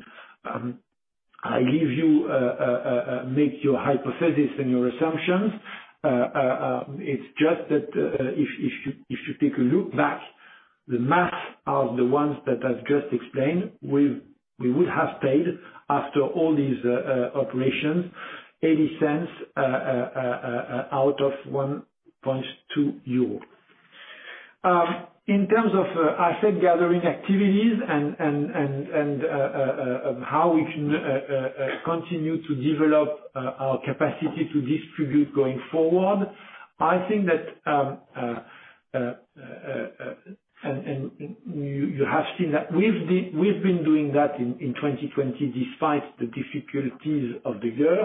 Make your hypothesis and your assumptions. It's just that if you take a look back, the math of the ones that I've just explained, we will have paid after all these operations, 0.80 out of 1.2 euro. In terms of asset gathering activities and how we can continue to develop our capacity to distribute going forward, I think that, and you have seen that we've been doing that in 2020 despite the difficulties of the year.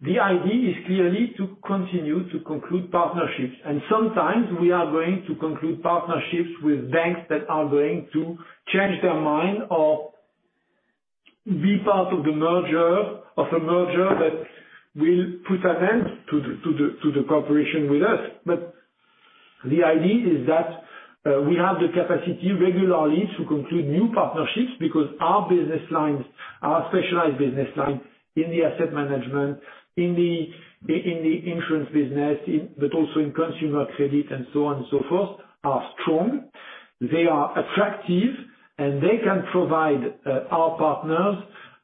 The idea is clearly to continue to conclude partnerships. Sometimes we are going to conclude partnerships with banks that are going to change their mind or be part of the merger, of a merger that will put an end to the cooperation with us. The idea is that we have the capacity regularly to conclude new partnerships because our business lines, our specialized business line in the asset management, in the insurance business, but also in consumer credit and so on and so forth, are strong. They are attractive, and they can provide our partners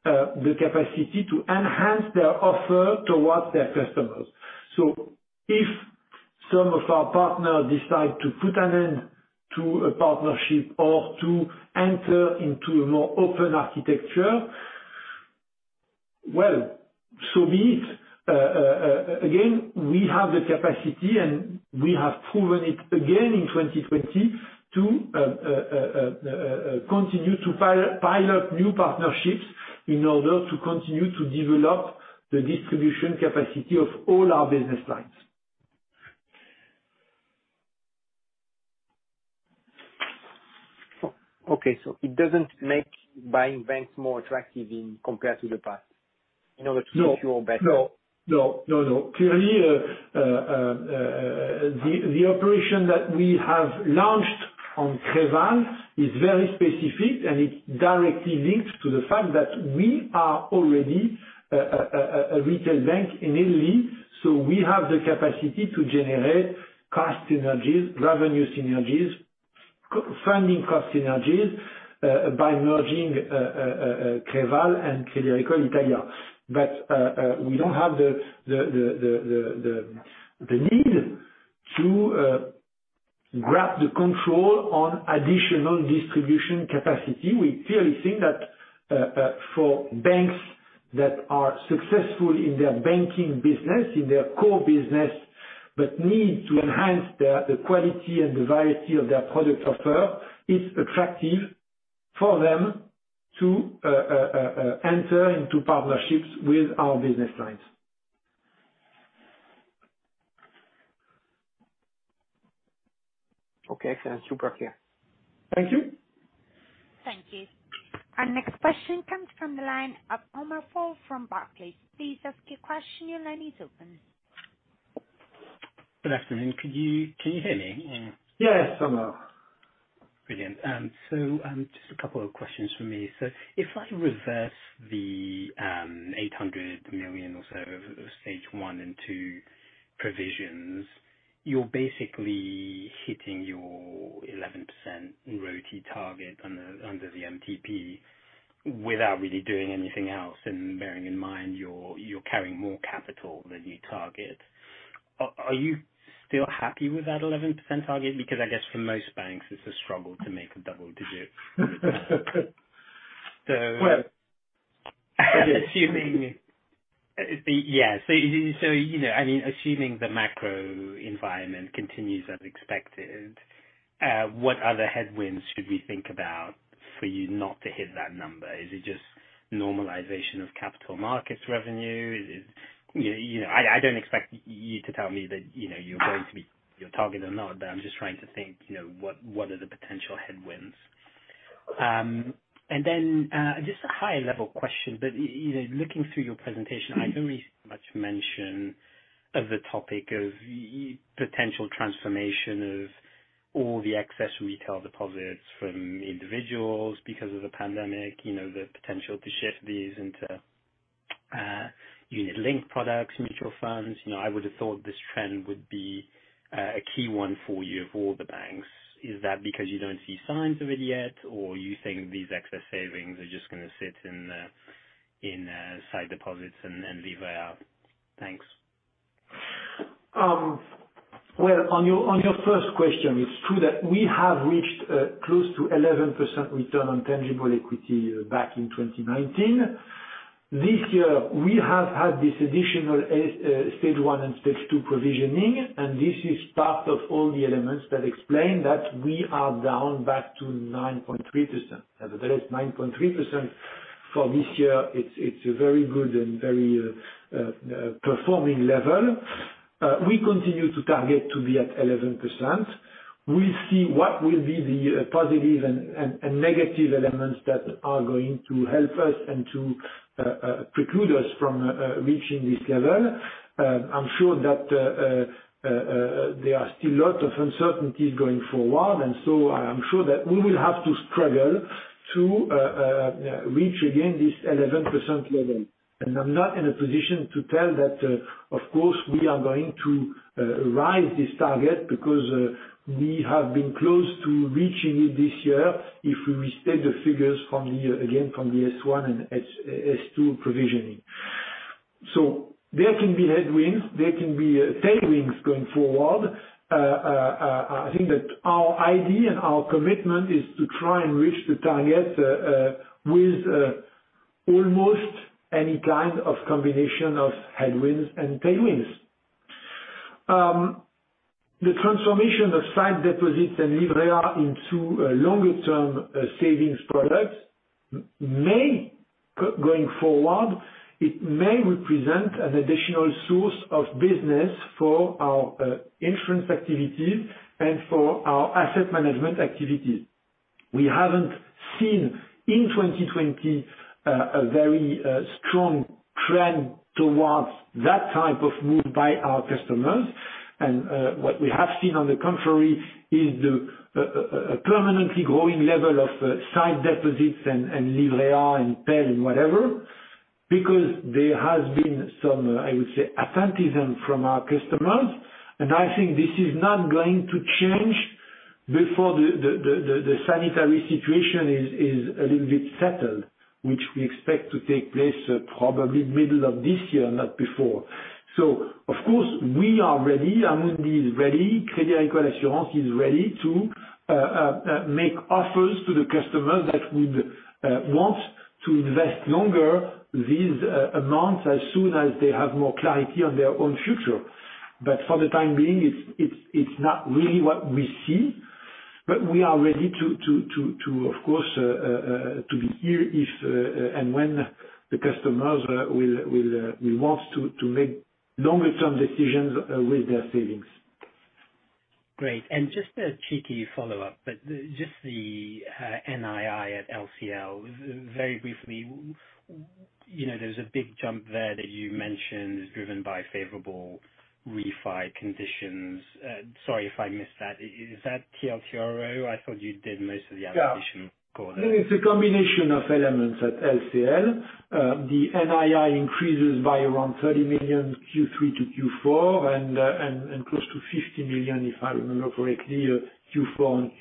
the capacity to enhance their offer towards their customers. If some of our partners decide to put an end to a partnership or to enter into a more open architecture, well, so be it. We have the capacity, and we have proven it again in 2020 to continue to pile up new partnerships in order to continue to develop the distribution capacity of all our business lines. Okay. It doesn't make buying banks more attractive in compared to the past in order to ensure better- No. Clearly, the operation that we have launched on Creval is very specific, and it directly links to the fact that we are already a retail bank in Italy, so we have the capacity to generate cost synergies, revenue synergies, funding cost synergies, by merging Creval and Crédit Agricole Italia. We don't have the need to grab the control on additional distribution capacity. We clearly think that, for banks that are successful in their banking business, in their core business, but need to enhance the quality and variety of their product offer, it's attractive for them to enter into partnerships with our business lines. Okay. Sounds super clear. Thank you. Thank you. Our next question comes from the line of Omar Fall from Barclays. Please ask your question, your line is open. Good afternoon. Can you hear me? Yes, Omar. Brilliant. Just a couple of questions from me. If I reverse the 800 million or so of stage 1 and 2 provisions, you're basically hitting your 11% ROTCE target under the MTP without really doing anything else, and bearing in mind you're carrying more capital than you target. Are you still happy with that 11% target? I guess for most banks it's a struggle to make a double-digit. Assuming the macro environment continues as expected, what other headwinds should we think about for you not to hit that number? Is it just normalization of capital markets revenue? I don't expect you to tell me that you're going to beat your target or not, but I'm just trying to think, what are the potential headwinds? Just a high level question, but looking through your presentation, I don't read much mention of the topic of potential transformation of all the excess retail deposits from individuals because of the pandemic, the potential to shift these into unit-linked products, mutual funds. I would have thought this trend would be a key one for you, for all the banks. Is that because you don't see signs of it yet, or you think these excess savings are just going to sit in the sight deposits and live there? Thanks. Well, on your first question, it's true that we have reached close to 11% return on tangible equity back in 2019. This year, we have had this additional stage 1 and stage 2 provisioning, and this is part of all the elements that explain that we are down back to 9.3%. That is 9.3% for this year. It's a very good and very performing level. We continue to target to be at 11%. We see what will be the positive and negative elements that are going to help us and to preclude us from reaching this level. I'm sure that there are still a lot of uncertainties going forward, and so I am sure that we will have to struggle to reach again this 11% level. I'm not in a position to tell that, of course, we are going to rise this target because we have been close to reaching it this year if we restate the figures from the S1 and S2 provisioning. There can be headwinds, there can be tailwinds going forward. I think that our idea and our commitment is to try and reach the target, with almost any kind of combination of headwinds and tailwinds. The transformation of sight deposits and Livret A into a longer-term savings product may, going forward, it may represent an additional source of business for our insurance activities and for our asset management activities. We haven't seen, in 2020, a very strong trend towards that type of move by our customers. What we have seen, on the contrary, is the permanently growing level of sight deposits and Livret A, and PEL, and whatever, because there has been some, I would say, attentism from our customers, and I think this is not going to change before the sanitary situation is a little bit settled, which we expect to take place probably middle of this year, not before. Of course, we are ready, Amundi is ready, Crédit Agricole Assurances is ready to make offers to the customers that would want to invest longer these amounts as soon as they have more clarity on their own future. For the time being, it's not really what we see, but we are ready to, of course, to be here if and when the customers will want to make longer-term decisions with their savings. Great. Just a cheeky follow-up, but just the NII at LCL, very briefly, there's a big jump there that you mentioned is driven by favorable refi conditions. Sorry if I missed that. Is that TLTRO? I thought you did most of the acquisition- Yeah quarter. It's a combination of elements at LCL. The NII increases by around 30 million Q3 to Q4, and close to 50 million, if I remember correctly, Q4 on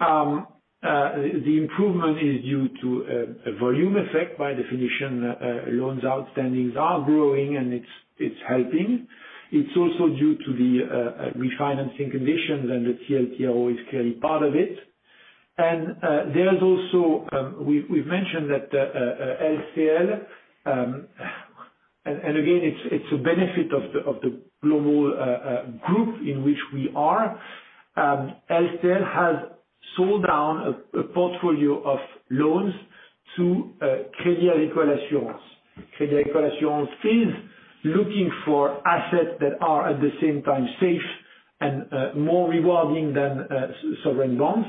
Q4. The improvement is due to a volume effect. By definition, loans outstandings are growing, and it's helping. It's also due to the refinancing conditions. The TLTRO is clearly part of it. There's also, we've mentioned that LCL. Again, it's a benefit of the global group in which we are. LCL has sold down a portfolio of loans to Crédit Agricole Assurances. Crédit Agricole Assurances is looking for assets that are at the same time safe and more rewarding than sovereign bonds,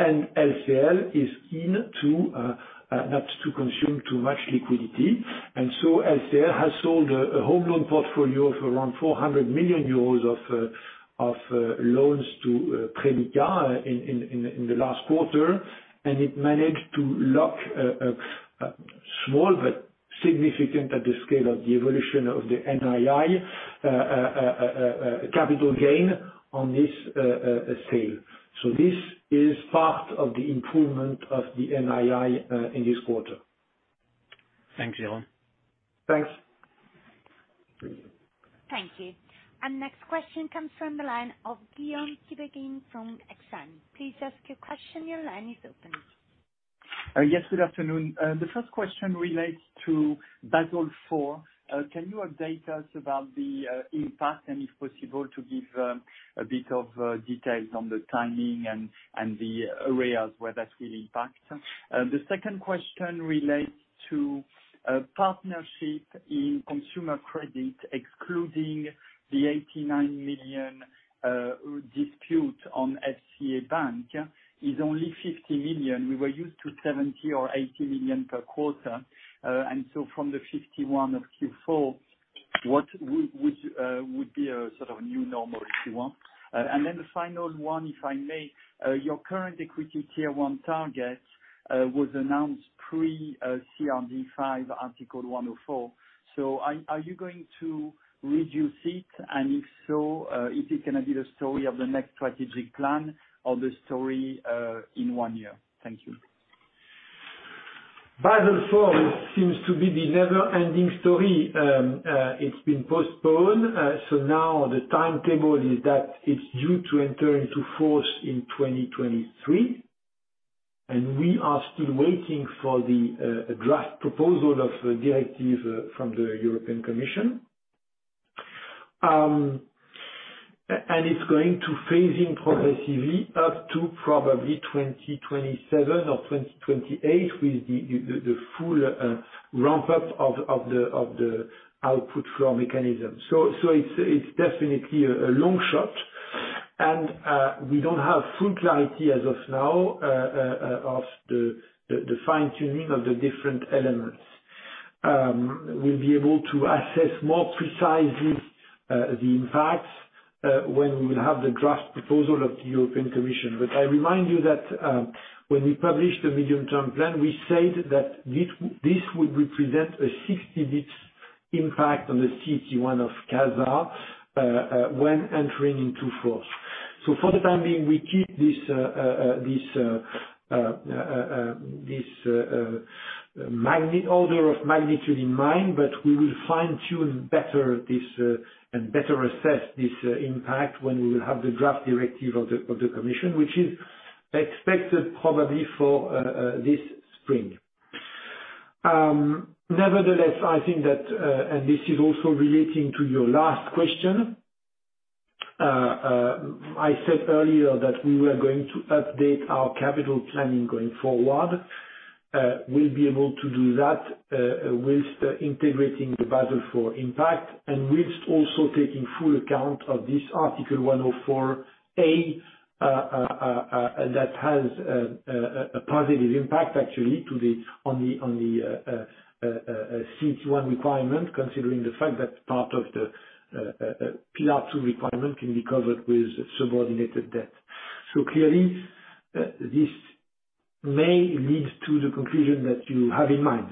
and LCL is in to not consume too much liquidity. LCL has sold a home loan portfolio of around 400 million euros of loans to Crédit Agricole in the last quarter. It managed to lock a small but significant, at the scale of the evolution of the NII, capital gain on this sale. This is part of the improvement of the NII in this quarter. Thanks, Jérôme. Thanks. Thank you. Next question comes from the line of Guillaume Tiberghien from Exane. Please ask your question. Your line is open. Yes, good afternoon. The first question relates to Basel IV. Can you update us about the impact and if possible to give a bit of details on the timing and the areas where that will impact? The second question relates to partnership in consumer credit, excluding the 89 million dispute on FCA Bank is only 50 million. We were used to 70 million or 80 million per quarter. From the 51 million of Q4, what would be a sort of new normal, if you want? Then the final one, if I may. Your current equity Tier 1 target was announced pre CRD5, Article 104. Are you going to reduce it? If so, is it going to be the story of the next strategic plan or the story in one year? Thank you. Basel IV seems to be the never-ending story. It's been postponed. Now the timetable is that it's due to enter into force in 2023, and we are still waiting for the draft proposal of directive from the European Commission. It's going to phase in progressively up to probably 2027 or 2028 with the full ramp-up of the output flow mechanism. It's definitely a long shot, and we don't have full clarity as of now of the fine-tuning of the different elements. We'll be able to assess more precisely the impacts when we will have the draft proposal of the European Commission. I remind you that when we published the Medium-Term Plan, we said that this would represent a 60 basis points impact on the CET1 of CASA when entering into force. For the time being, we keep this order of magnitude in mind, but we will fine-tune better this and better assess this impact when we will have the draft directive of the Commission, which is expected probably for this spring. Nevertheless, I think that, and this is also relating to your last question. I said earlier that we were going to update our capital planning going forward. We'll be able to do that whilst integrating the Basel IV impact and whilst also taking full account of this Article 104a, that has a positive impact actually on the CET1 requirement, considering the fact that part of the Pillar 2 requirement can be covered with subordinated debt. Clearly, this may lead to the conclusion that you have in mind.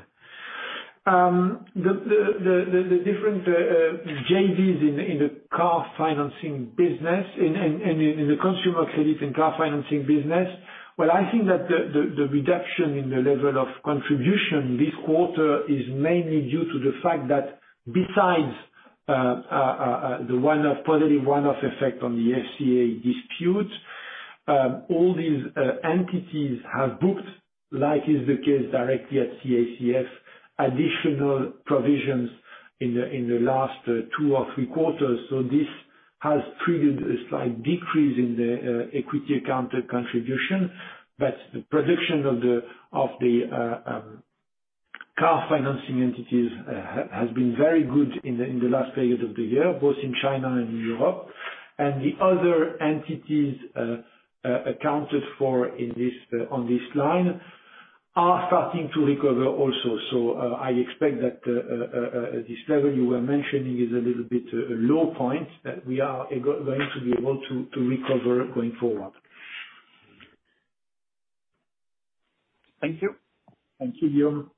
The different JVs in the car financing business and in the consumer credit and car financing business. I think that the reduction in the level of contribution this quarter is mainly due to the fact that besides the positive one-off effect on the FCA dispute, all these entities have booked, like is the case directly at CACF, additional provisions in the last two or three quarters. This has triggered a slight decrease in the equity account contribution, but the production of the car financing entities has been very good in the last period of the year, both in China and in Europe. The other entities accounted for on this line are starting to recover also. I expect that this level you were mentioning is a little bit a low point that we are going to be able to recover going forward. Thank you. Thank you, Guillaume.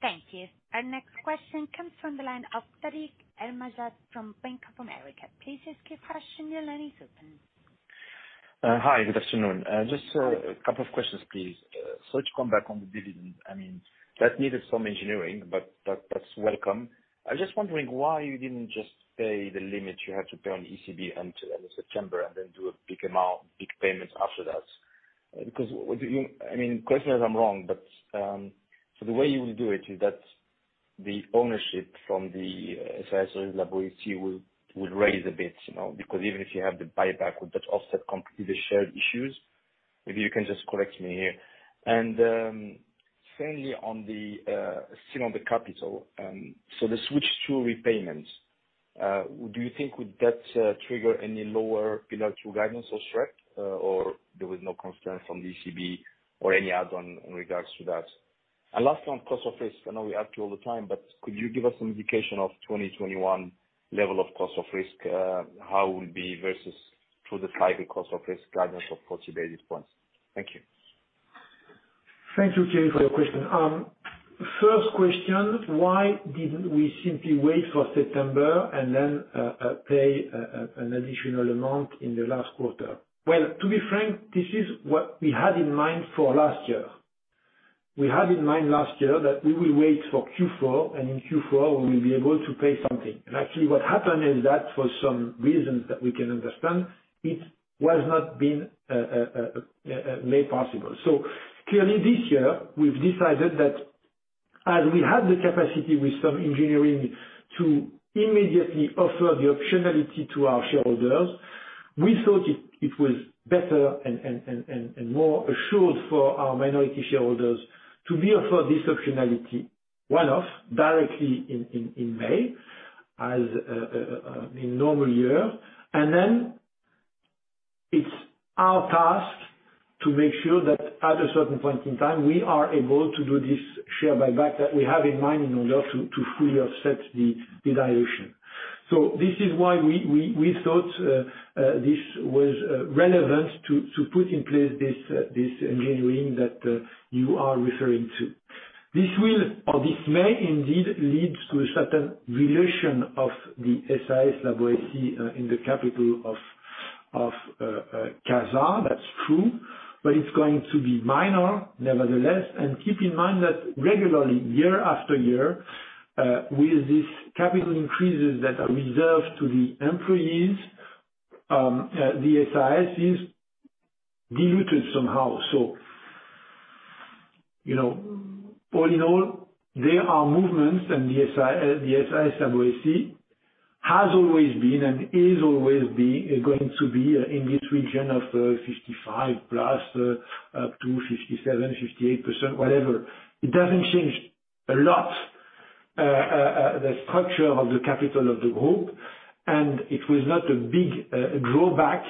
Thank you. Our next question comes from the line of Tarik El Mejjad from Bank of America. Please ask your question. Your line is open. Hi, good afternoon. Just a couple of questions, please. To come back on the dividend, that needed some engineering, but that's welcome. I was just wondering why you didn't just pay the limit you had to pay on ECB until the end of September and then do a big payment after that. Correct me if I'm wrong, but the way you will do it is that the ownership from the SAS La Boétie will raise a bit. Because even if you have the buyback, would that offset completely the shared issues? Maybe you can just correct me here. Secondly on the capital. The switch to repayments, do you think, would that trigger any lower Pillar 2 guidance or SREP, or there was no constraint from the ECB or any add-on in regards to that? Last one, cost of risk. I know we ask you all the time, but could you give us an indication of 2021 level of cost of risk? How it will be versus to the five-year cost of risk guidance of 40 basis points. Thank you. Thank you, James, for your question. First question, why didn't we simply wait for September and then, pay an additional amount in the last quarter? Well, to be frank, this is what we had in mind for last year. We had in mind last year that we will wait for Q4. In Q4, we will be able to pay something. Actually what happened is that for some reasons that we can understand, it was not been made possible. Clearly this year, we've decided that as we have the capacity with some engineering to immediately offer the optionality to our shareholders, we thought it was better and more assured for our minority shareholders to be offered this optionality one-off directly in May as in normal year. It's our task to make sure that at a certain point in time, we are able to do this share buyback that we have in mind in order to fully offset the dilution. This is why we thought this was relevant to put in place this engineering that you are referring to. This will, or this may indeed lead to a certain dilution of the SAS La Boétie in the capital of CASA, that's true. It's going to be minor, nevertheless. Keep in mind that regularly, year after year, with these capital increases that are reserved to the employees, the SAS is diluted somehow. All in all, there are movements and the SAS La Boétie has always been and is always going to be in this region of the 55+, up to 57%-58%, whatever. It doesn't change a lot, the structure of the capital of the group, and it was not a big drawback,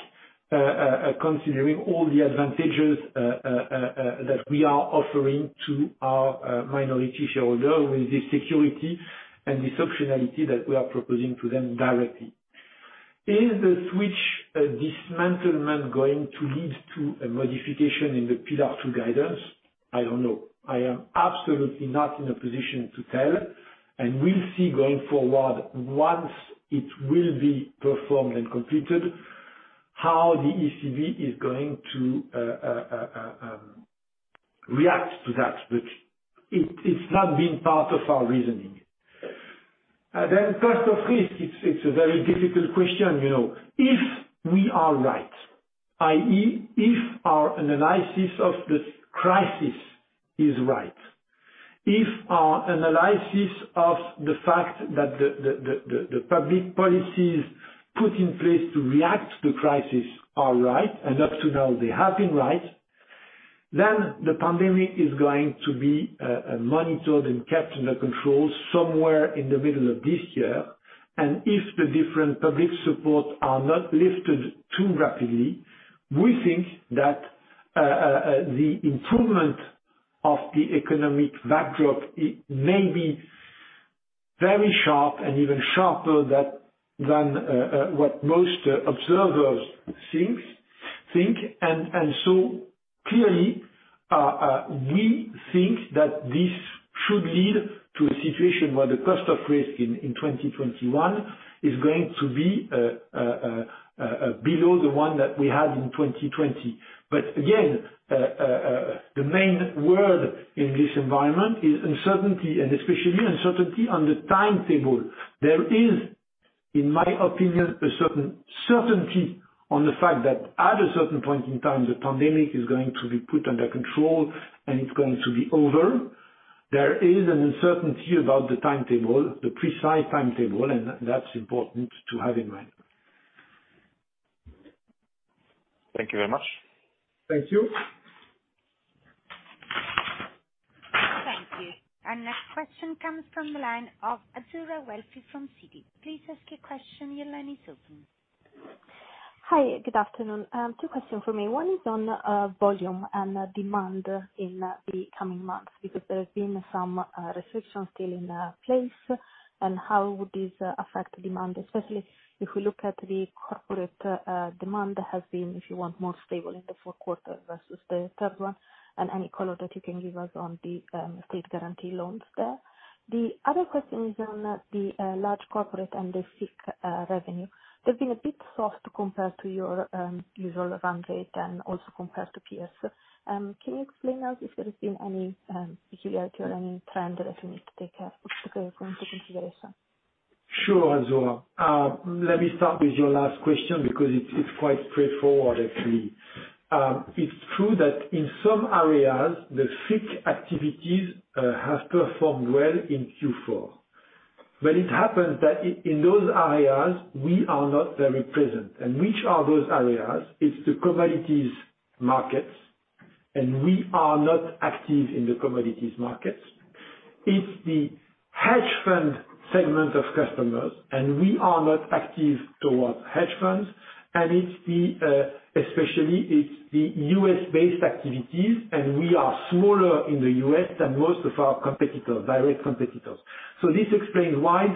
considering all the advantages that we are offering to our minority shareholder with the security and the optionality that we are proposing to them directly. Is the switch dismantlement going to lead to a modification in the Pillar 2 guidance? I don't know. I am absolutely not in a position to tell, and we'll see going forward once it will be performed and completed, how the ECB is going to react to that. It's not been part of our reasoning. Cost of risk, it's a very difficult question. If we are right, i.e., if our analysis of this crisis is right, if our analysis of the fact that the public policies put in place to react to crisis are right, and up to now they have been right, then the pandemic is going to be monitored and kept under control somewhere in the middle of this year. If the different public support are not lifted too rapidly, we think that the improvement of the economic backdrop may be very sharp and even sharper than what most observers think. Clearly, we think that this should lead to a situation where the cost of risk in 2021 is going to be below the one that we had in 2020. Again, the main word in this environment is uncertainty, and especially uncertainty on the timetable. There is, in my opinion, a certain certainty on the fact that at a certain point in time, the pandemic is going to be put under control and it's going to be over. There is an uncertainty about the timetable, the precise timetable, and that's important to have in mind. Thank you very much. Thank you. Thank you. Our next question comes from the line of Flora Bocahut from Citi. Please ask your question. Your line is open. Hi, good afternoon. Two question from me. One is on volume and demand in the coming months, because there's been some restrictions still in place, and how would this affect demand, especially if we look at the corporate demand has been, if you want, more stable in the fourth quarter versus the third one, and any color that you can give us on the state guarantee loans there. The other question is on the large corporate and the FICC revenue. They've been a bit soft compared to your usual run rate and also compared to peers. Can you explain us if there has been any peculiarity or any trend that we need to take into consideration? Azura. Let me start with your last question because it's quite straightforward, actually. It happens that in those areas, we are not very present. Which are those areas? It's the commodities markets, we are not active in the commodities markets. It's the hedge fund segment of customers, we are not active towards hedge funds. Especially, it's the U.S.-based activities, we are smaller in the U.S. than most of our direct competitors. This explains why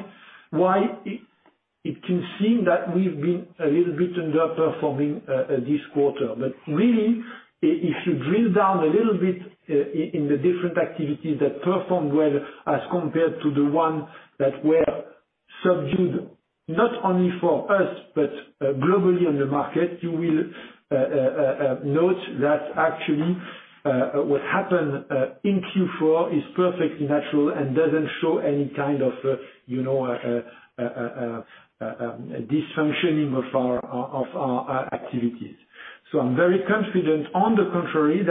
it can seem that we've been a little bit underperforming this quarter. Really, if you drill down a little bit in the different activities that performed well as compared to the ones that were subdued, not only for us, but globally on the market, you will note that actually, what happened in Q4 is perfectly natural and doesn't show any kind of dysfunctioning of our activities. I'm very confident, on the contrary,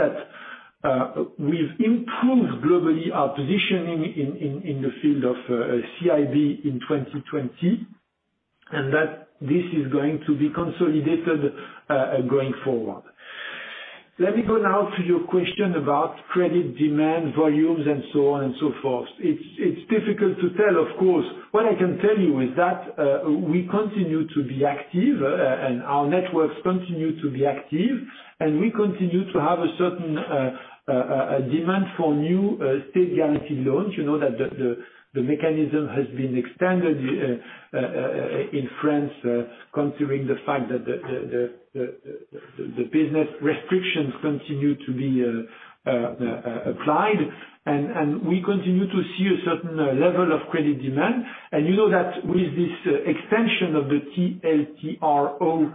that we've improved globally our positioning in the field of CIB in 2020, and that this is going to be consolidated going forward. Let me go now to your question about credit demand, volumes, and so on and so forth. It's difficult to tell, of course. What I can tell you is that we continue to be active, and our networks continue to be active, and we continue to have a certain demand for new state guarantee loans. You know that the mechanism has been extended in France considering the fact that the business restrictions continue to be applied. We continue to see a certain level of credit demand. You know that with this extension of the TLTRO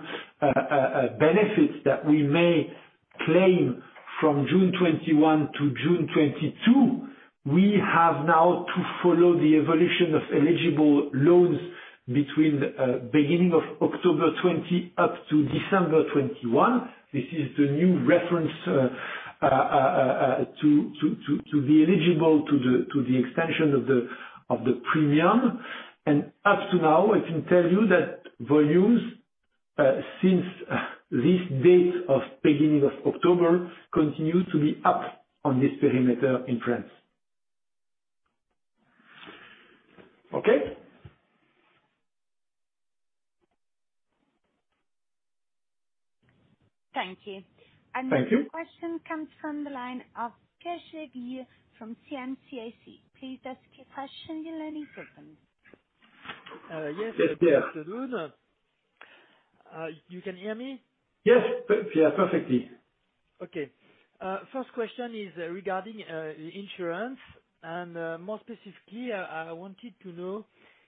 benefits that we may claim from June 2021 to June 2022, we have now to follow the evolution of eligible loans between beginning of October 2020 up to December 2021. This is the new reference to be eligible to the extension of the premium. Up to now, I can tell you that volumes, since this date of beginning of October, continue to be up on this perimeter in France. Okay. Thank you. Thank you. The next question comes from the line of Pierre Chedeville from CM-CIC. Please ask your question. Your line is open. Yes. Yes, Pierre. Good afternoon. You can hear me? Yes, Pierre, perfectly. Okay. First question is regarding insurance. More specifically, I wanted to know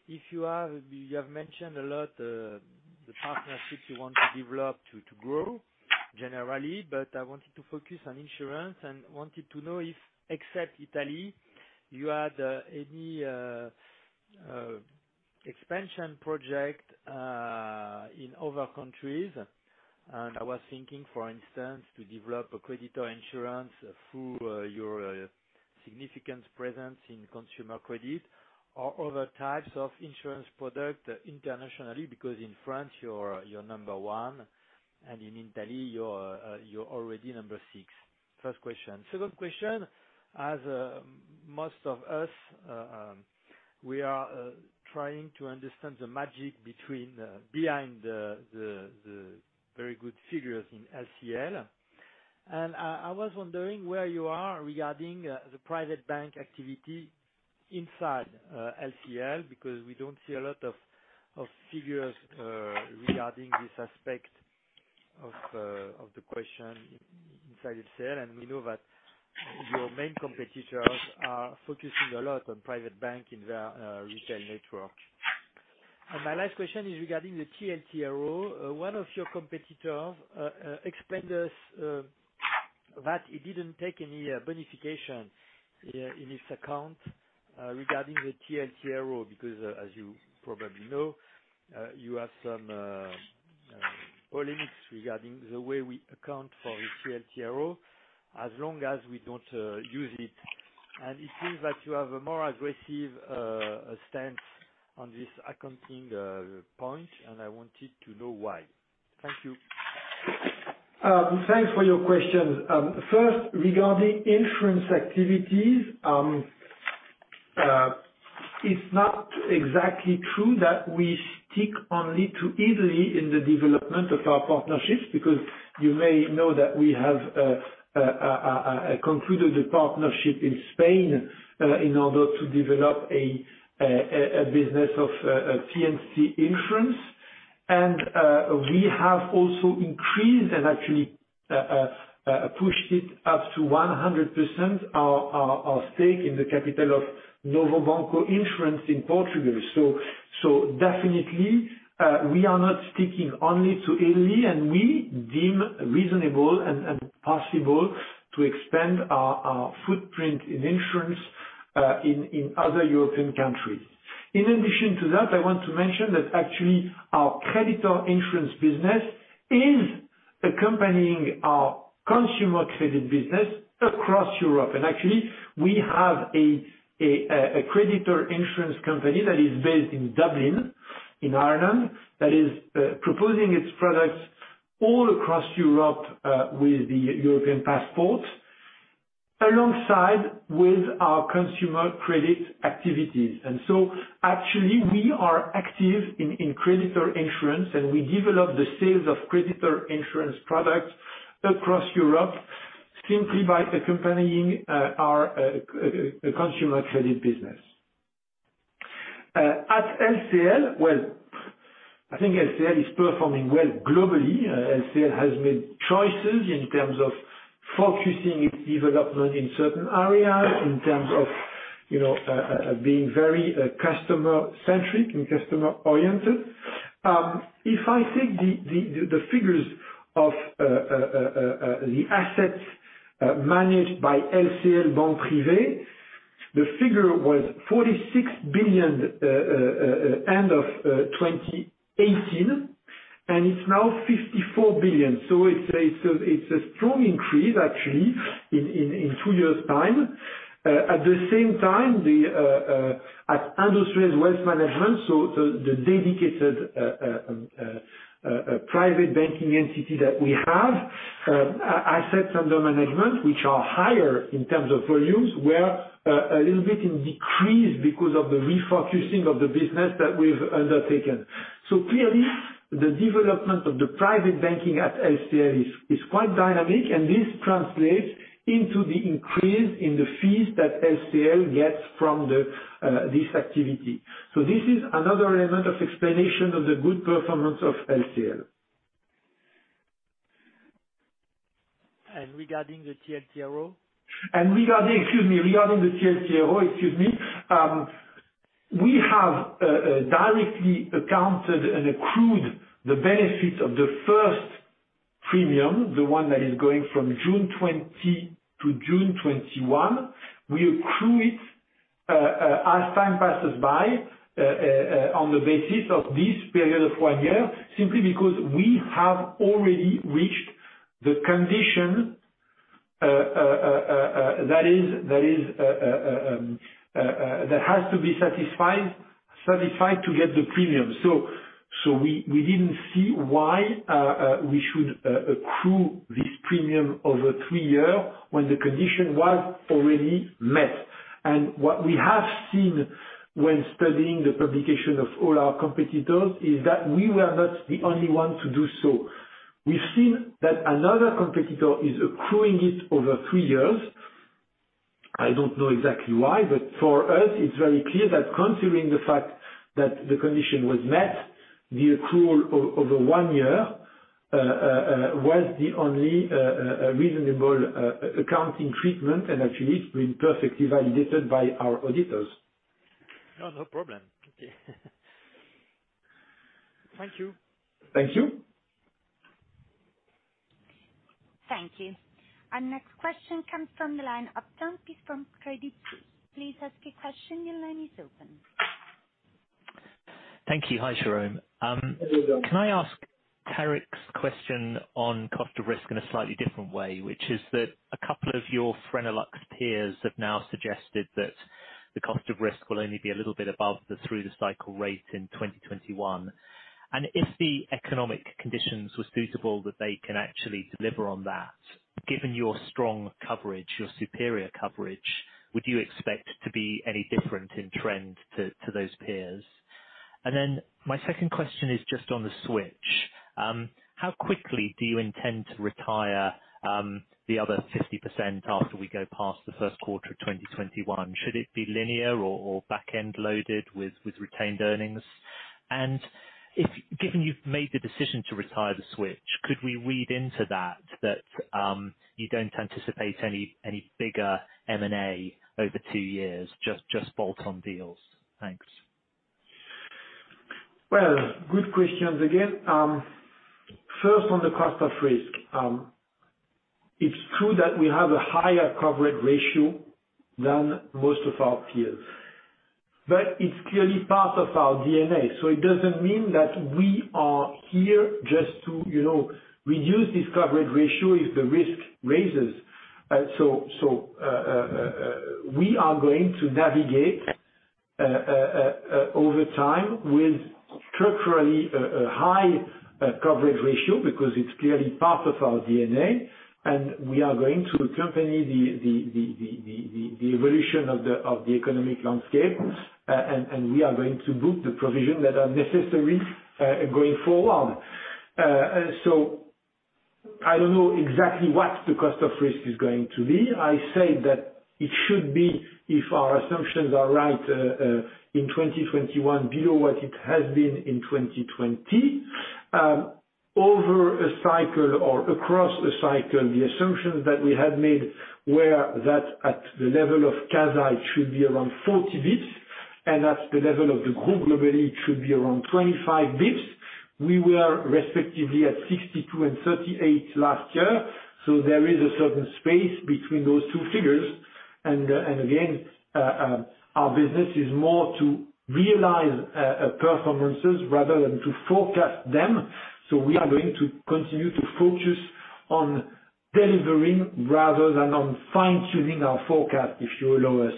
if you have mentioned a lot the partnerships you want to develop to grow generally, but I wanted to focus on insurance and wanted to know if, except Italy, you had any expansion project in other countries. I was thinking, for instance, to develop a creditor insurance through your significant presence in consumer credit or other types of insurance product internationally, because in France, you're number one, and in Italy, you're already number six. First question. Second question, as most of us, we are trying to understand the magic behind the very good figures in LCL. I was wondering where you are regarding the private bank activity inside LCL, because we don't see a lot of figures regarding this aspect of the question inside LCL, and we know that your main competitors are focusing a lot on private bank in their retail network. My last question is regarding the TLTRO. One of your competitors explained us that he didn't take any bonification in his account regarding the TLTRO, because as you probably know, you have some limits regarding the way we account for the TLTRO as long as we don't use it. It seems that you have a more aggressive stance on this accounting point, and I wanted to know why. Thank you. Thanks for your questions. First, regarding insurance activities, it is not exactly true that we stick only to Italy in the development of our partnerships, because you may know that we have concluded a partnership in Spain in order to develop a business of P&C insurance. We have also increased and actually pushed it up to 100%, our stake in the capital of Novo Banco Insurance in Portugal. Definitely, we are not sticking only to Italy, and we deem reasonable and possible to expand our footprint in insurance in other European countries. In addition to that, I want to mention that actually, our creditor insurance business is accompanying our consumer credit business across Europe. Actually, we have a creditor insurance company that is based in Dublin, Ireland, that is proposing its products all across Europe with the European passport, alongside with our consumer credit activities. Actually, we are active in creditor insurance, and we develop the sales of creditor insurance products across Europe simply by accompanying our consumer credit business. At LCL, well, I think LCL is performing well globally. LCL has made choices in terms of focusing its development in certain areas, in terms of being very customer-centric and customer-oriented. If I take the figures of the assets managed by LCL Banque Privée, the figure was 46 billion end of 2018, and it's now 54 billion. It's a strong increase, actually, in two years' time. At the same time, at Indosuez Wealth Management, so the dedicated private banking entity that we have, assets under management, which are higher in terms of volumes, were a little bit in decrease because of the refocusing of the business that we've undertaken. Clearly, the development of the private banking at LCL is quite dynamic, and this translates into the increase in the fees that LCL gets from this activity. This is another element of explanation of the good performance of LCL. Regarding the TLTRO? Regarding the TLTRO. We have directly accounted and accrued the benefits of the first premium, the one that is going from June 2020 to June 2021. We accrue it as time passes by, on the basis of this period of one year, simply because we have already reached the condition that has to be satisfied to get the premium. We didn't see why we should accrue this premium over three years when the condition was already met. What we have seen when studying the publication of all our competitors, is that we were not the only ones to do so. We've seen that another competitor is accruing it over three years. I don't know exactly why, for us it's very clear that considering the fact that the condition was met, the accrual over one year, was the only reasonable accounting treatment, and actually, it's been perfectly validated by our auditors. No, no problem. Okay. Thank you. Thank you. Thank you. Our next question comes from the line of Duncan from Crédit. Please ask your question. Thank you. Hi, Jérôme. Hello. Can I ask Tarik's question on cost of risk in a slightly different way, which is that a couple of your French and Benelux peers have now suggested that the cost of risk will only be a little bit above the through-the-cycle rate in 2021. If the economic conditions were suitable that they can actually deliver on that, given your strong coverage, your superior coverage, would you expect to be any different in trend to those peers? My second question is just on the switch. How quickly do you intend to retire the other 50% after we go past the first quarter of 2021? Should it be linear or back-end loaded with retained earnings? Given you've made the decision to retire the switch, could we read into that you don't anticipate any bigger M&A over two years, just bolt-on deals? Thanks. Good questions again. First on the cost of risk. It's true that we have a higher coverage ratio than most of our peers, but it's clearly part of our DNA, so it doesn't mean that we are here just to reduce this coverage ratio if the risk raises. We are going to navigate over time with structurally a high coverage ratio because it's clearly part of our DNA, and we are going to accompany the evolution of the economic landscape, and we are going to book the provision that are necessary, going forward. I don't know exactly what the cost of risk is going to be. I said that it should be, if our assumptions are right, in 2021, below what it has been in 2020. Over a cycle or across a cycle, the assumptions that we had made were that at the level of CASA, it should be around 40 basis points, and at the level of the group globally, it should be around 25 basis points. We were respectively at 62 and 38 last year, so there is a certain space between those two figures. Again, our business is more to realize performances rather than to forecast them. We are going to continue to focus on delivering rather than on fine-tuning our forecast, if you allow us.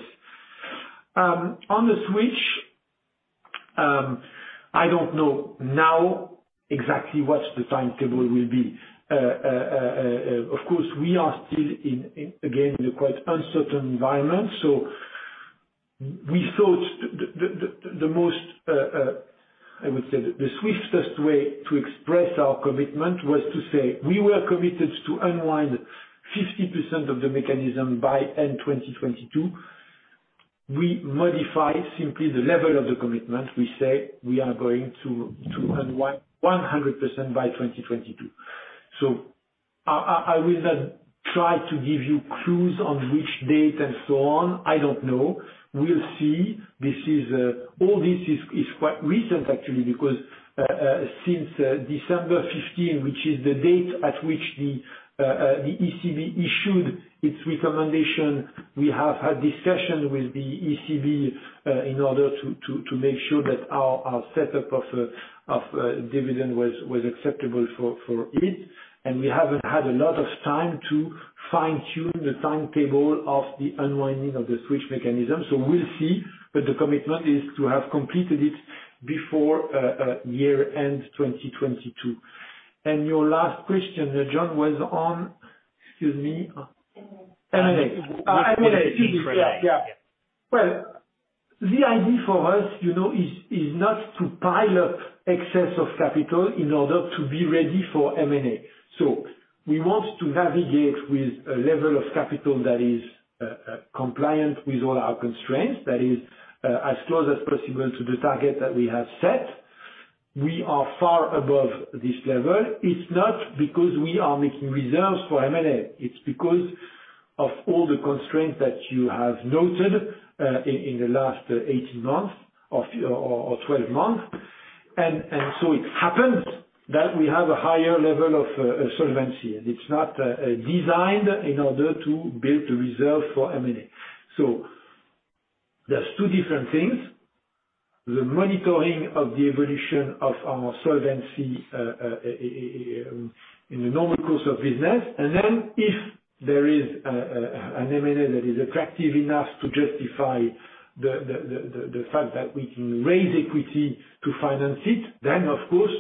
On the switch, I don't know now exactly what the timetable will be. Of course, we are still, again, in a quite uncertain environment. We thought the swiftest way to express our commitment was to say we were committed to unwind 50% of the mechanism by end 2022. We modify simply the level of the commitment. We say we are going to unwind 100% by 2022. I will not try to give you clues on which date and so on. I don't know. We'll see. All this is quite recent, actually, because since December 15, which is the date at which the ECB issued its recommendation, we have had discussions with the ECB in order to make sure that our setup of dividend was acceptable for it. We haven't had a lot of time to fine-tune the timetable of the unwinding of the switch mechanism. We'll see. The commitment is to have completed it before year-end 2022. Your last question, Duncan, was on, excuse me, M&A. M&A. M&A. Excuse me. Yeah. Well, the idea for us is not to pile up excess of capital in order to be ready for M&A. We want to navigate with a level of capital that is compliant with all our constraints, that is as close as possible to the target that we have set. We are far above this level. It's not because we are making reserves for M&A, it's because of all the constraints that you have noted in the last 18 months or 12 months. It happened that we have a higher level of solvency, and it's not designed in order to build a reserve for M&A. That's two different things. The monitoring of the evolution of our solvency in the normal course of business, if there is an M&A that is attractive enough to justify the fact that we can raise equity to finance it, of course,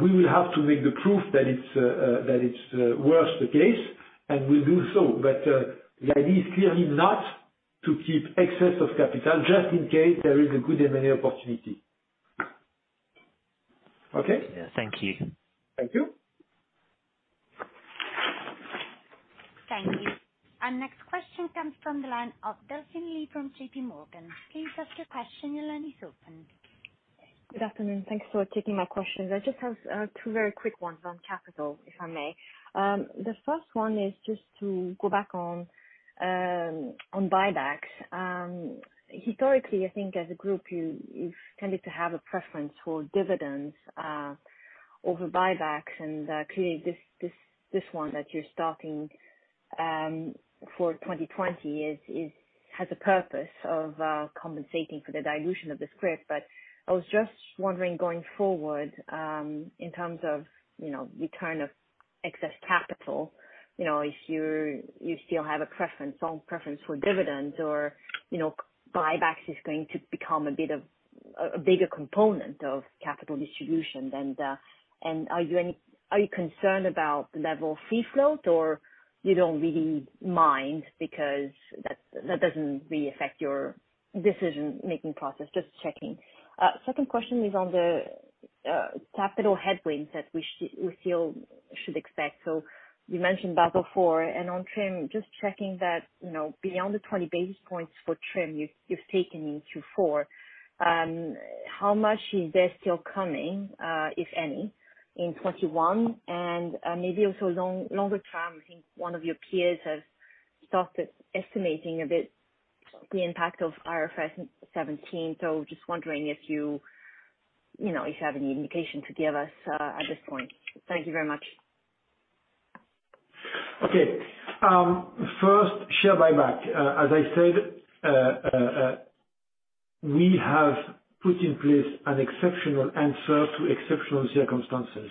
we will have to make the proof that it's worth the case, and we'll do so. The idea is clearly not to keep excess of capital just in case there is a good M&A opportunity. Okay. Yeah. Thank you. Thank you. Thank you. Our next question comes from the line of Delphine Lee from JPMorgan. Please ask your question. Good afternoon. Thanks for taking my questions. I just have two very quick ones on capital, if I may. The first one is to go back on buybacks. Historically, as a group, you've tended to have a preference for dividends over buybacks. Clearly, this one that you're starting for 2020 has a purpose of compensating for the dilution of the scrip. I was wondering, going forward, in terms of return of excess capital, if you still have a preference, strong preference for dividends or buybacks is going to become a bigger component of capital distribution then. Are you concerned about the level of free float, or you don't really mind because that doesn't really affect your decision-making process? Just checking. Second question is on the capital headwinds that we still should expect. You mentioned Basel IV. On TRIM, just checking that, beyond the 20 basis points for TRIM you've taken into Q4, how much is there still coming, if any, in 2021? Maybe also longer-term, I think one of your peers has started estimating a bit the impact of IFRS 17. Just wondering if you have any indication to give us at this point. Thank you very much. Okay. First, share buyback. As I said, we have put in place an exceptional answer to exceptional circumstances.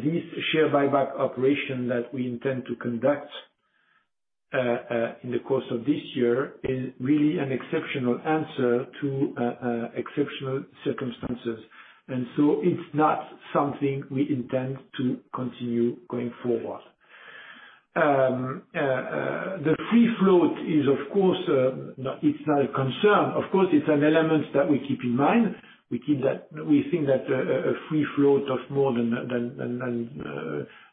This share buyback operation that we intend to conduct in the course of this year is really an exceptional answer to exceptional circumstances. It's not something we intend to continue going forward. The free float is, of course, it's not a concern. Of course, it's an element that we keep in mind. We think that a free float of more than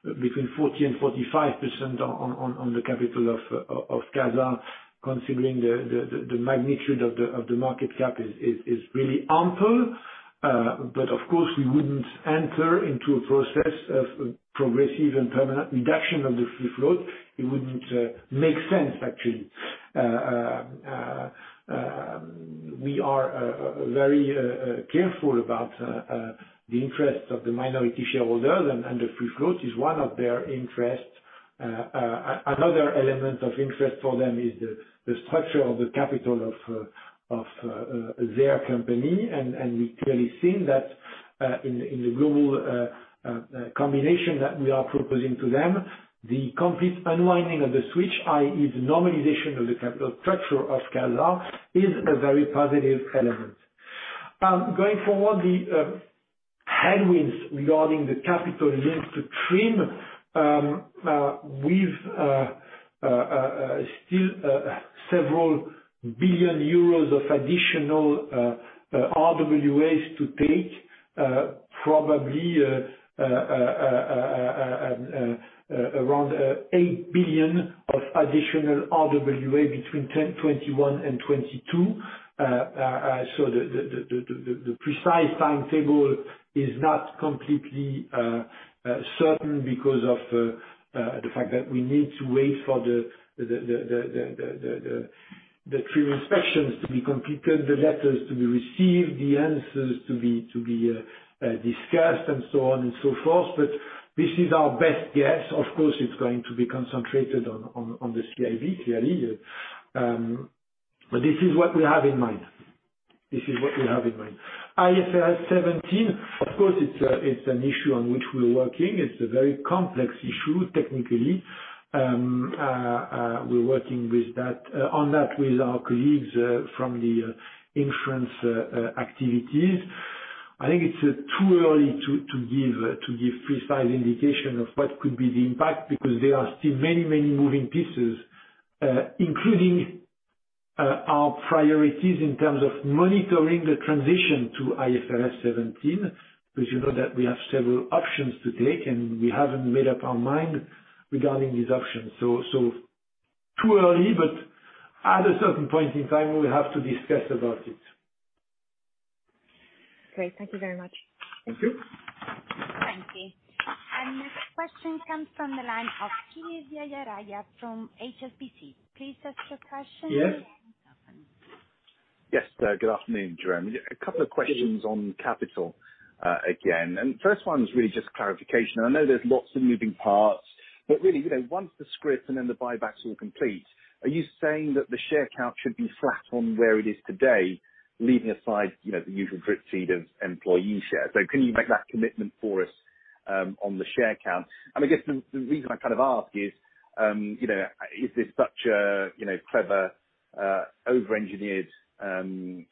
between 40% and 45% on the capital of CASA, considering the magnitude of the market cap, is really ample. Of course, we wouldn't enter into a process of progressive and permanent reduction of the free float. It wouldn't make sense, actually. We are very careful about the interests of the minority shareholders, and the free float is one of their interests. Another element of interest for them is the structure of the capital of their company. We've clearly seen that in the global combination that we are proposing to them, the complete unwinding of the switch, i.e., the normalization of the capital structure of is a very positive element. Going forward, the headwinds regarding the capital linked to TRIM, we've still several billion EUR of additional RWAs to take, probably around 8 billion of additional RWA between 2021 and 2022. The precise timetable is not completely certain because of the fact that we need to wait for the TRIM inspections to be completed, the letters to be received, the answers to be discussed, and so on and so forth. This is our best guess. Of course, it's going to be concentrated on the CIB, clearly. This is what we have in mind. IFRS 17, of course, it's an issue on which we're working. It's a very complex issue, technically. We're working on that with our colleagues from the insurance activities. I think it's too early to give precise indication of what could be the impact, because there are still many moving pieces, including our priorities in terms of monitoring the transition to IFRS 17, because you know that we have several options to take, and we haven't made up our mind regarding these options. Too early, but at a certain point in time, we'll have to discuss about it. Great. Thank you very much. Thank you. Thank you. Our next question comes from the line of Kiri Vijayarajah from HSBC. Please ask your question. Yes. Yes. Good afternoon, Jérôme. A couple of questions on capital again. First one's really just clarification. I know there's lots of moving parts, but really, once the scrip and then the buybacks all complete, are you saying that the share count should be flat on where it is today, leaving aside the usual drip-feed of employee shares? Can you make that commitment for us on the share count? I guess the reason I ask is this such a clever overengineered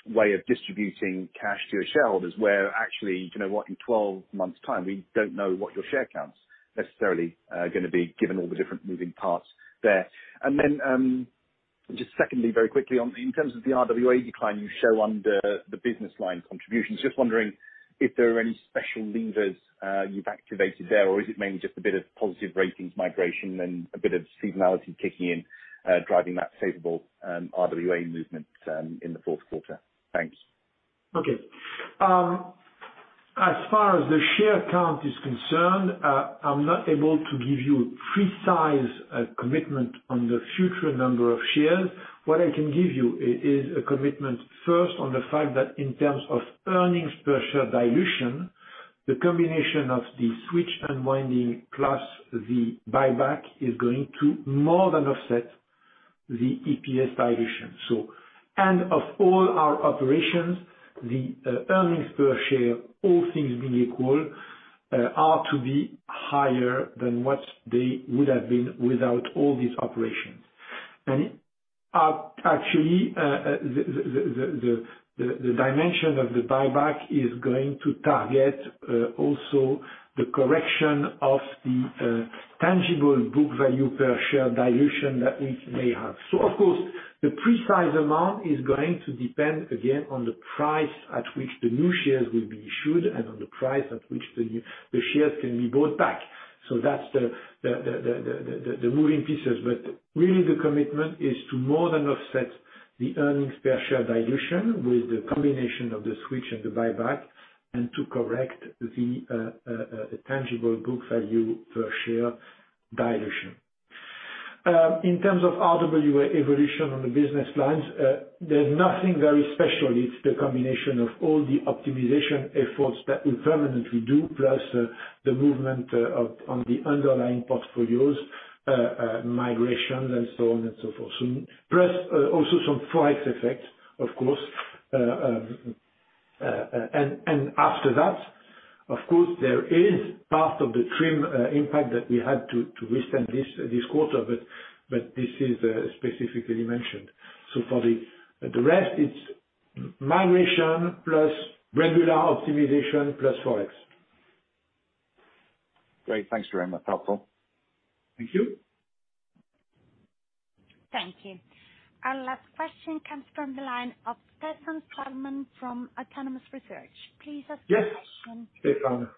way of distributing cash to your shareholders where actually, you know what, in 12 months time, we don't know what your share count's necessarily going to be, given all the different moving parts there. Then, just secondly, very quickly, in terms of the RWA decline you show under the business line contributions, just wondering if there are any special levers you've activated there, or is it mainly just a bit of positive ratings migration and a bit of seasonality kicking in, driving that favorable RWA movement in the fourth quarter? Thanks. Okay. As far as the share count is concerned, I'm not able to give you precise commitment on the future number of shares. What I can give you is a commitment, first, on the fact that in terms of earnings per share dilution, the combination of the switch unwinding plus the buyback is going to more than offset the EPS dilution. Of all our operations, the earnings per share, all things being equal, are to be higher than what they would have been without all these operations. Actually, the dimension of the buyback is going to target also the correction of the tangible book value per share dilution that we may have. Of course, the precise amount is going to depend, again, on the price at which the new shares will be issued and on the price at which the shares can be bought back. That's the moving pieces. Really the commitment is to more than offset the earnings per share dilution with the combination of the switch and the buyback, and to correct the tangible book value per share dilution. In terms of RWA evolution on the business lines, there's nothing very special. It's the combination of all the optimization efforts that we permanently do, plus the movement on the underlying portfolios, migrations, and so on and so forth. Plus, also some ForEx effects, of course. After that, of course, there is part of the TRIM impact that we had to withstand this quarter, but this is specifically mentioned. For the rest, it's migration plus regular optimization, plus ForEx. Great. Thanks very much. Helpful. Thank you. Thank you. Our last question comes from the line of Stefan Stalmann from Autonomous Research. Please ask your question. Yes, Stefan.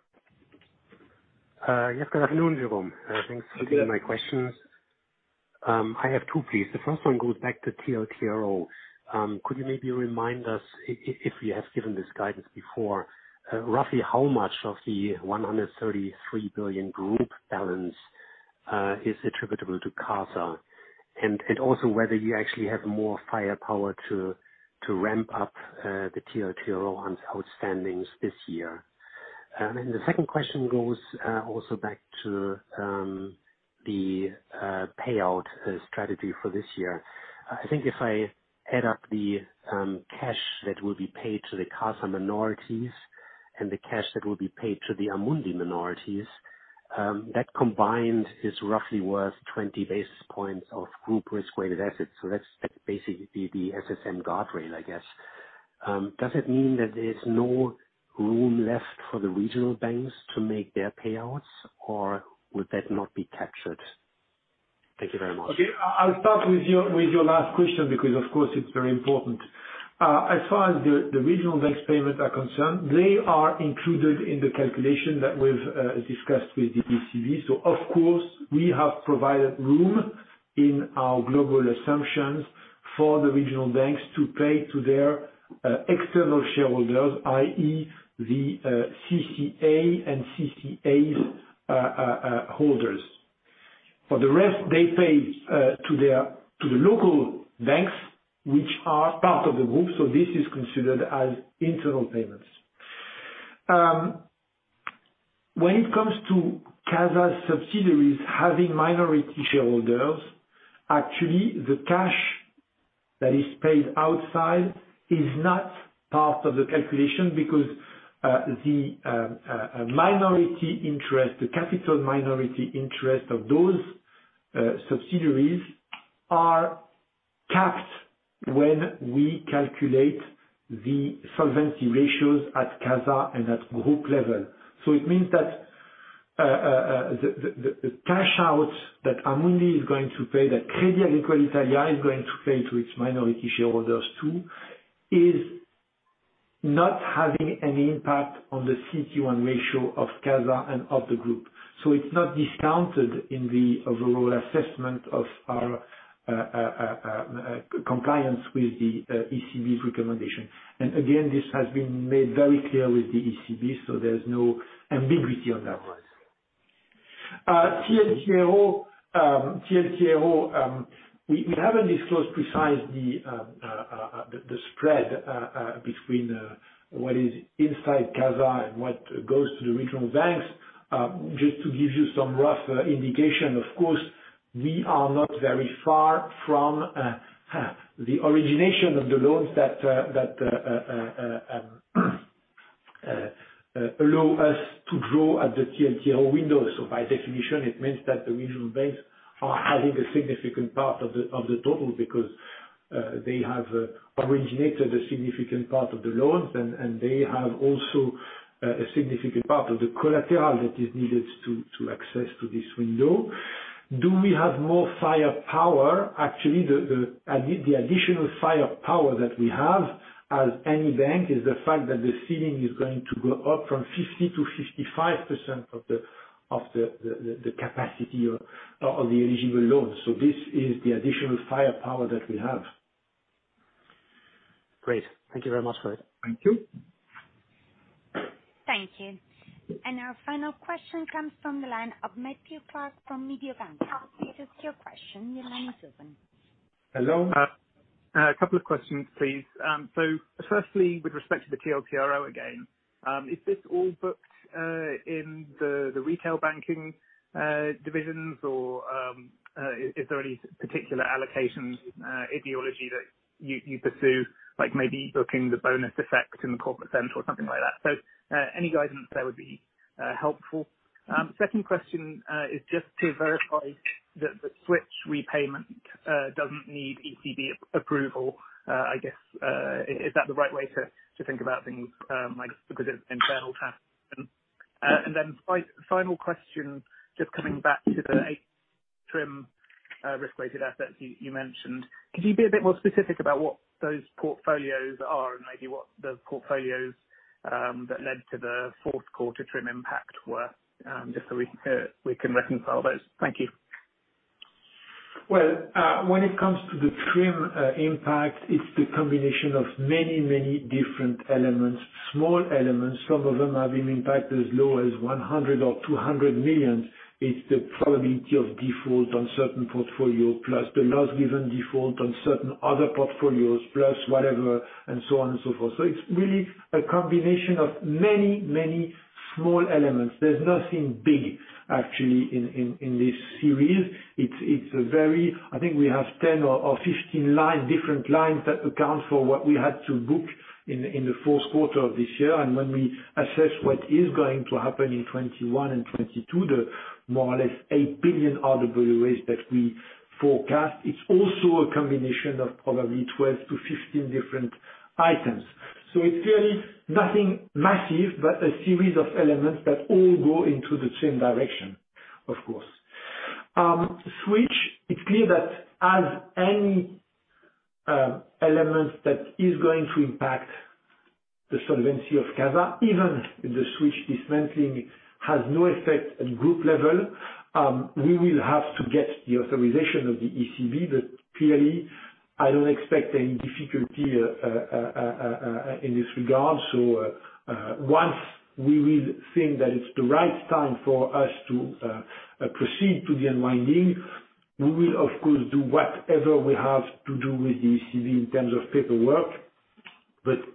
Yes, good afternoon, Jérôme. Yeah my questions. I have two, please. First one goes back to TLTRO. Could you maybe remind us, if you have given this guidance before, roughly how much of the 133 billion group balance is attributable to CASA? Also whether you actually have more firepower to ramp up the TLTRO on outstandings this year. Second question goes also back to the payout strategy for this year. I think if I add up the cash that will be paid to the CASA minorities and the cash that will be paid to the Amundi minorities, that combined is roughly worth 20 basis points of group risk-weighted assets. That's basically the SSM guardrail, I guess. Does it mean that there's no room left for the regional banks to make their payouts, or would that not be captured? Thank you very much. I'll start with your last question because, of course, it's very important. As far as the regional banks payment are concerned, they are included in the calculation that we've discussed with the ECB. Of course, we have provided room in our global assumptions for the regional banks to pay to their external shareholders, i.e., the CCA and CCA's holders. For the rest, they pay to the local banks, which are part of the group, this is considered as internal payments. When it comes to CASA's subsidiaries having minority shareholders, actually, the cash that is paid outside is not part of the calculation because the minority interest, the capital minority interest of those subsidiaries are capped when we calculate the solvency ratios at CASA and at group level. It means that the cash out that Amundi is going to pay, that Crédit Agricole Italia is going to pay to its minority shareholders too, is not having any impact on the CET1 ratio of CASA and of the group. It's not discounted in the overall assessment of our compliance with the ECB's recommendation. Again, this has been made very clear with the ECB, there's no ambiguity on that one. TLTRO, we haven't disclosed precisely the spread between what is inside CASA and what goes to the regional banks. Just to give you some rough indication, of course, we are not very far from half. The origination of the loans that allow us to draw at the TLTRO window. By definition, it means that the regional banks are having a significant part of the total because they have originated a significant part of the loans, and they have also a significant part of the collateral that is needed to access to this window. Do we have more firepower? Actually, the additional firepower that we have as any bank is the fact that the ceiling is going to go up from 50% to 55% of the capacity of the eligible loans. This is the additional firepower that we have. Great. Thank you very much for it. Thank you. Thank you. Our final question comes from the line of Matthew Clark from Mediobanca. To state your question, your line is open. Hello. A couple of questions, please. Firstly, with respect to the TLTRO again, is this all booked in the retail banking divisions, or is there any particular allocations ideology that you pursue, like maybe booking the bonus effect in the corporate center or something like that? Any guidance there would be helpful. Second question is just to verify that the switch repayment doesn't need ECB approval. I guess, is that the right way to think about things, because it's internal? Final question, just coming back to the EUR 8 billion TRIM risk-weighted assets you mentioned. Could you be a bit more specific about what those portfolios are and maybe what the portfolios that led to the fourth quarter TRIM impact were, just so we can reconcile those. Thank you. Well, when it comes to the TRIM impact, it's the combination of many, many different elements, small elements. Some of them have an impact as low as 100 million or 200 million. It's the probability of default on certain portfolio, plus the loss given default on certain other portfolios, plus whatever, and so on and so forth. It's really a combination of many, many small elements. There's nothing big, actually, in this series. I think we have 10 or 15 different lines that account for what we had to book in the fourth quarter of this year. When we assess what is going to happen in 2021 and 2022, the more or less 8 billion RWAs that we forecast, it's also a combination of probably 12 to 15 different items. It's really nothing massive, but a series of elements that all go into the same direction, of course. It's clear that as any elements that is going to impact the solvency of CASA, even if the switch dismantling has no effect at group level, we will have to get the authorization of the ECB. Clearly, I don't expect any difficulty in this regard. Once we will think that it's the right time for us to proceed to the unwinding, we will, of course, do whatever we have to do with the ECB in terms of paperwork.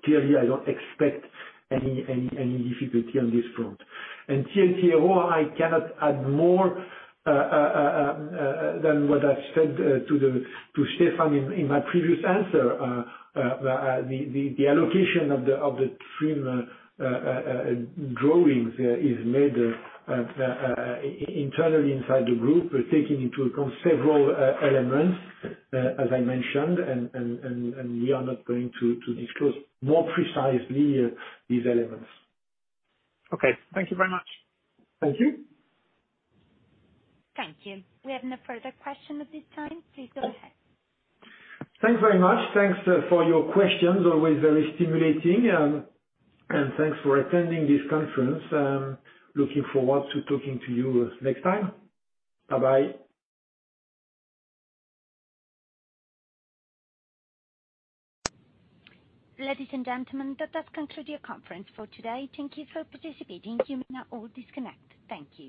Clearly, I don't expect any difficulty on this front. TLTRO, I cannot add more than what I've said to Stefan in my previous answer. The allocation of the TRIM drawings is made internally inside the group. We're taking into account several elements, as I mentioned, and we are not going to disclose more precisely these elements. Okay. Thank you very much. Thank you. Thank you. We have no further question at this time. Please go ahead. Thanks very much. Thanks for your questions. Always very stimulating, and thanks for attending this conference. Looking forward to talking to you next time. Bye-bye. Ladies and gentlemen, that does conclude your conference for today. Thank you for participating. You may now all disconnect. Thank you.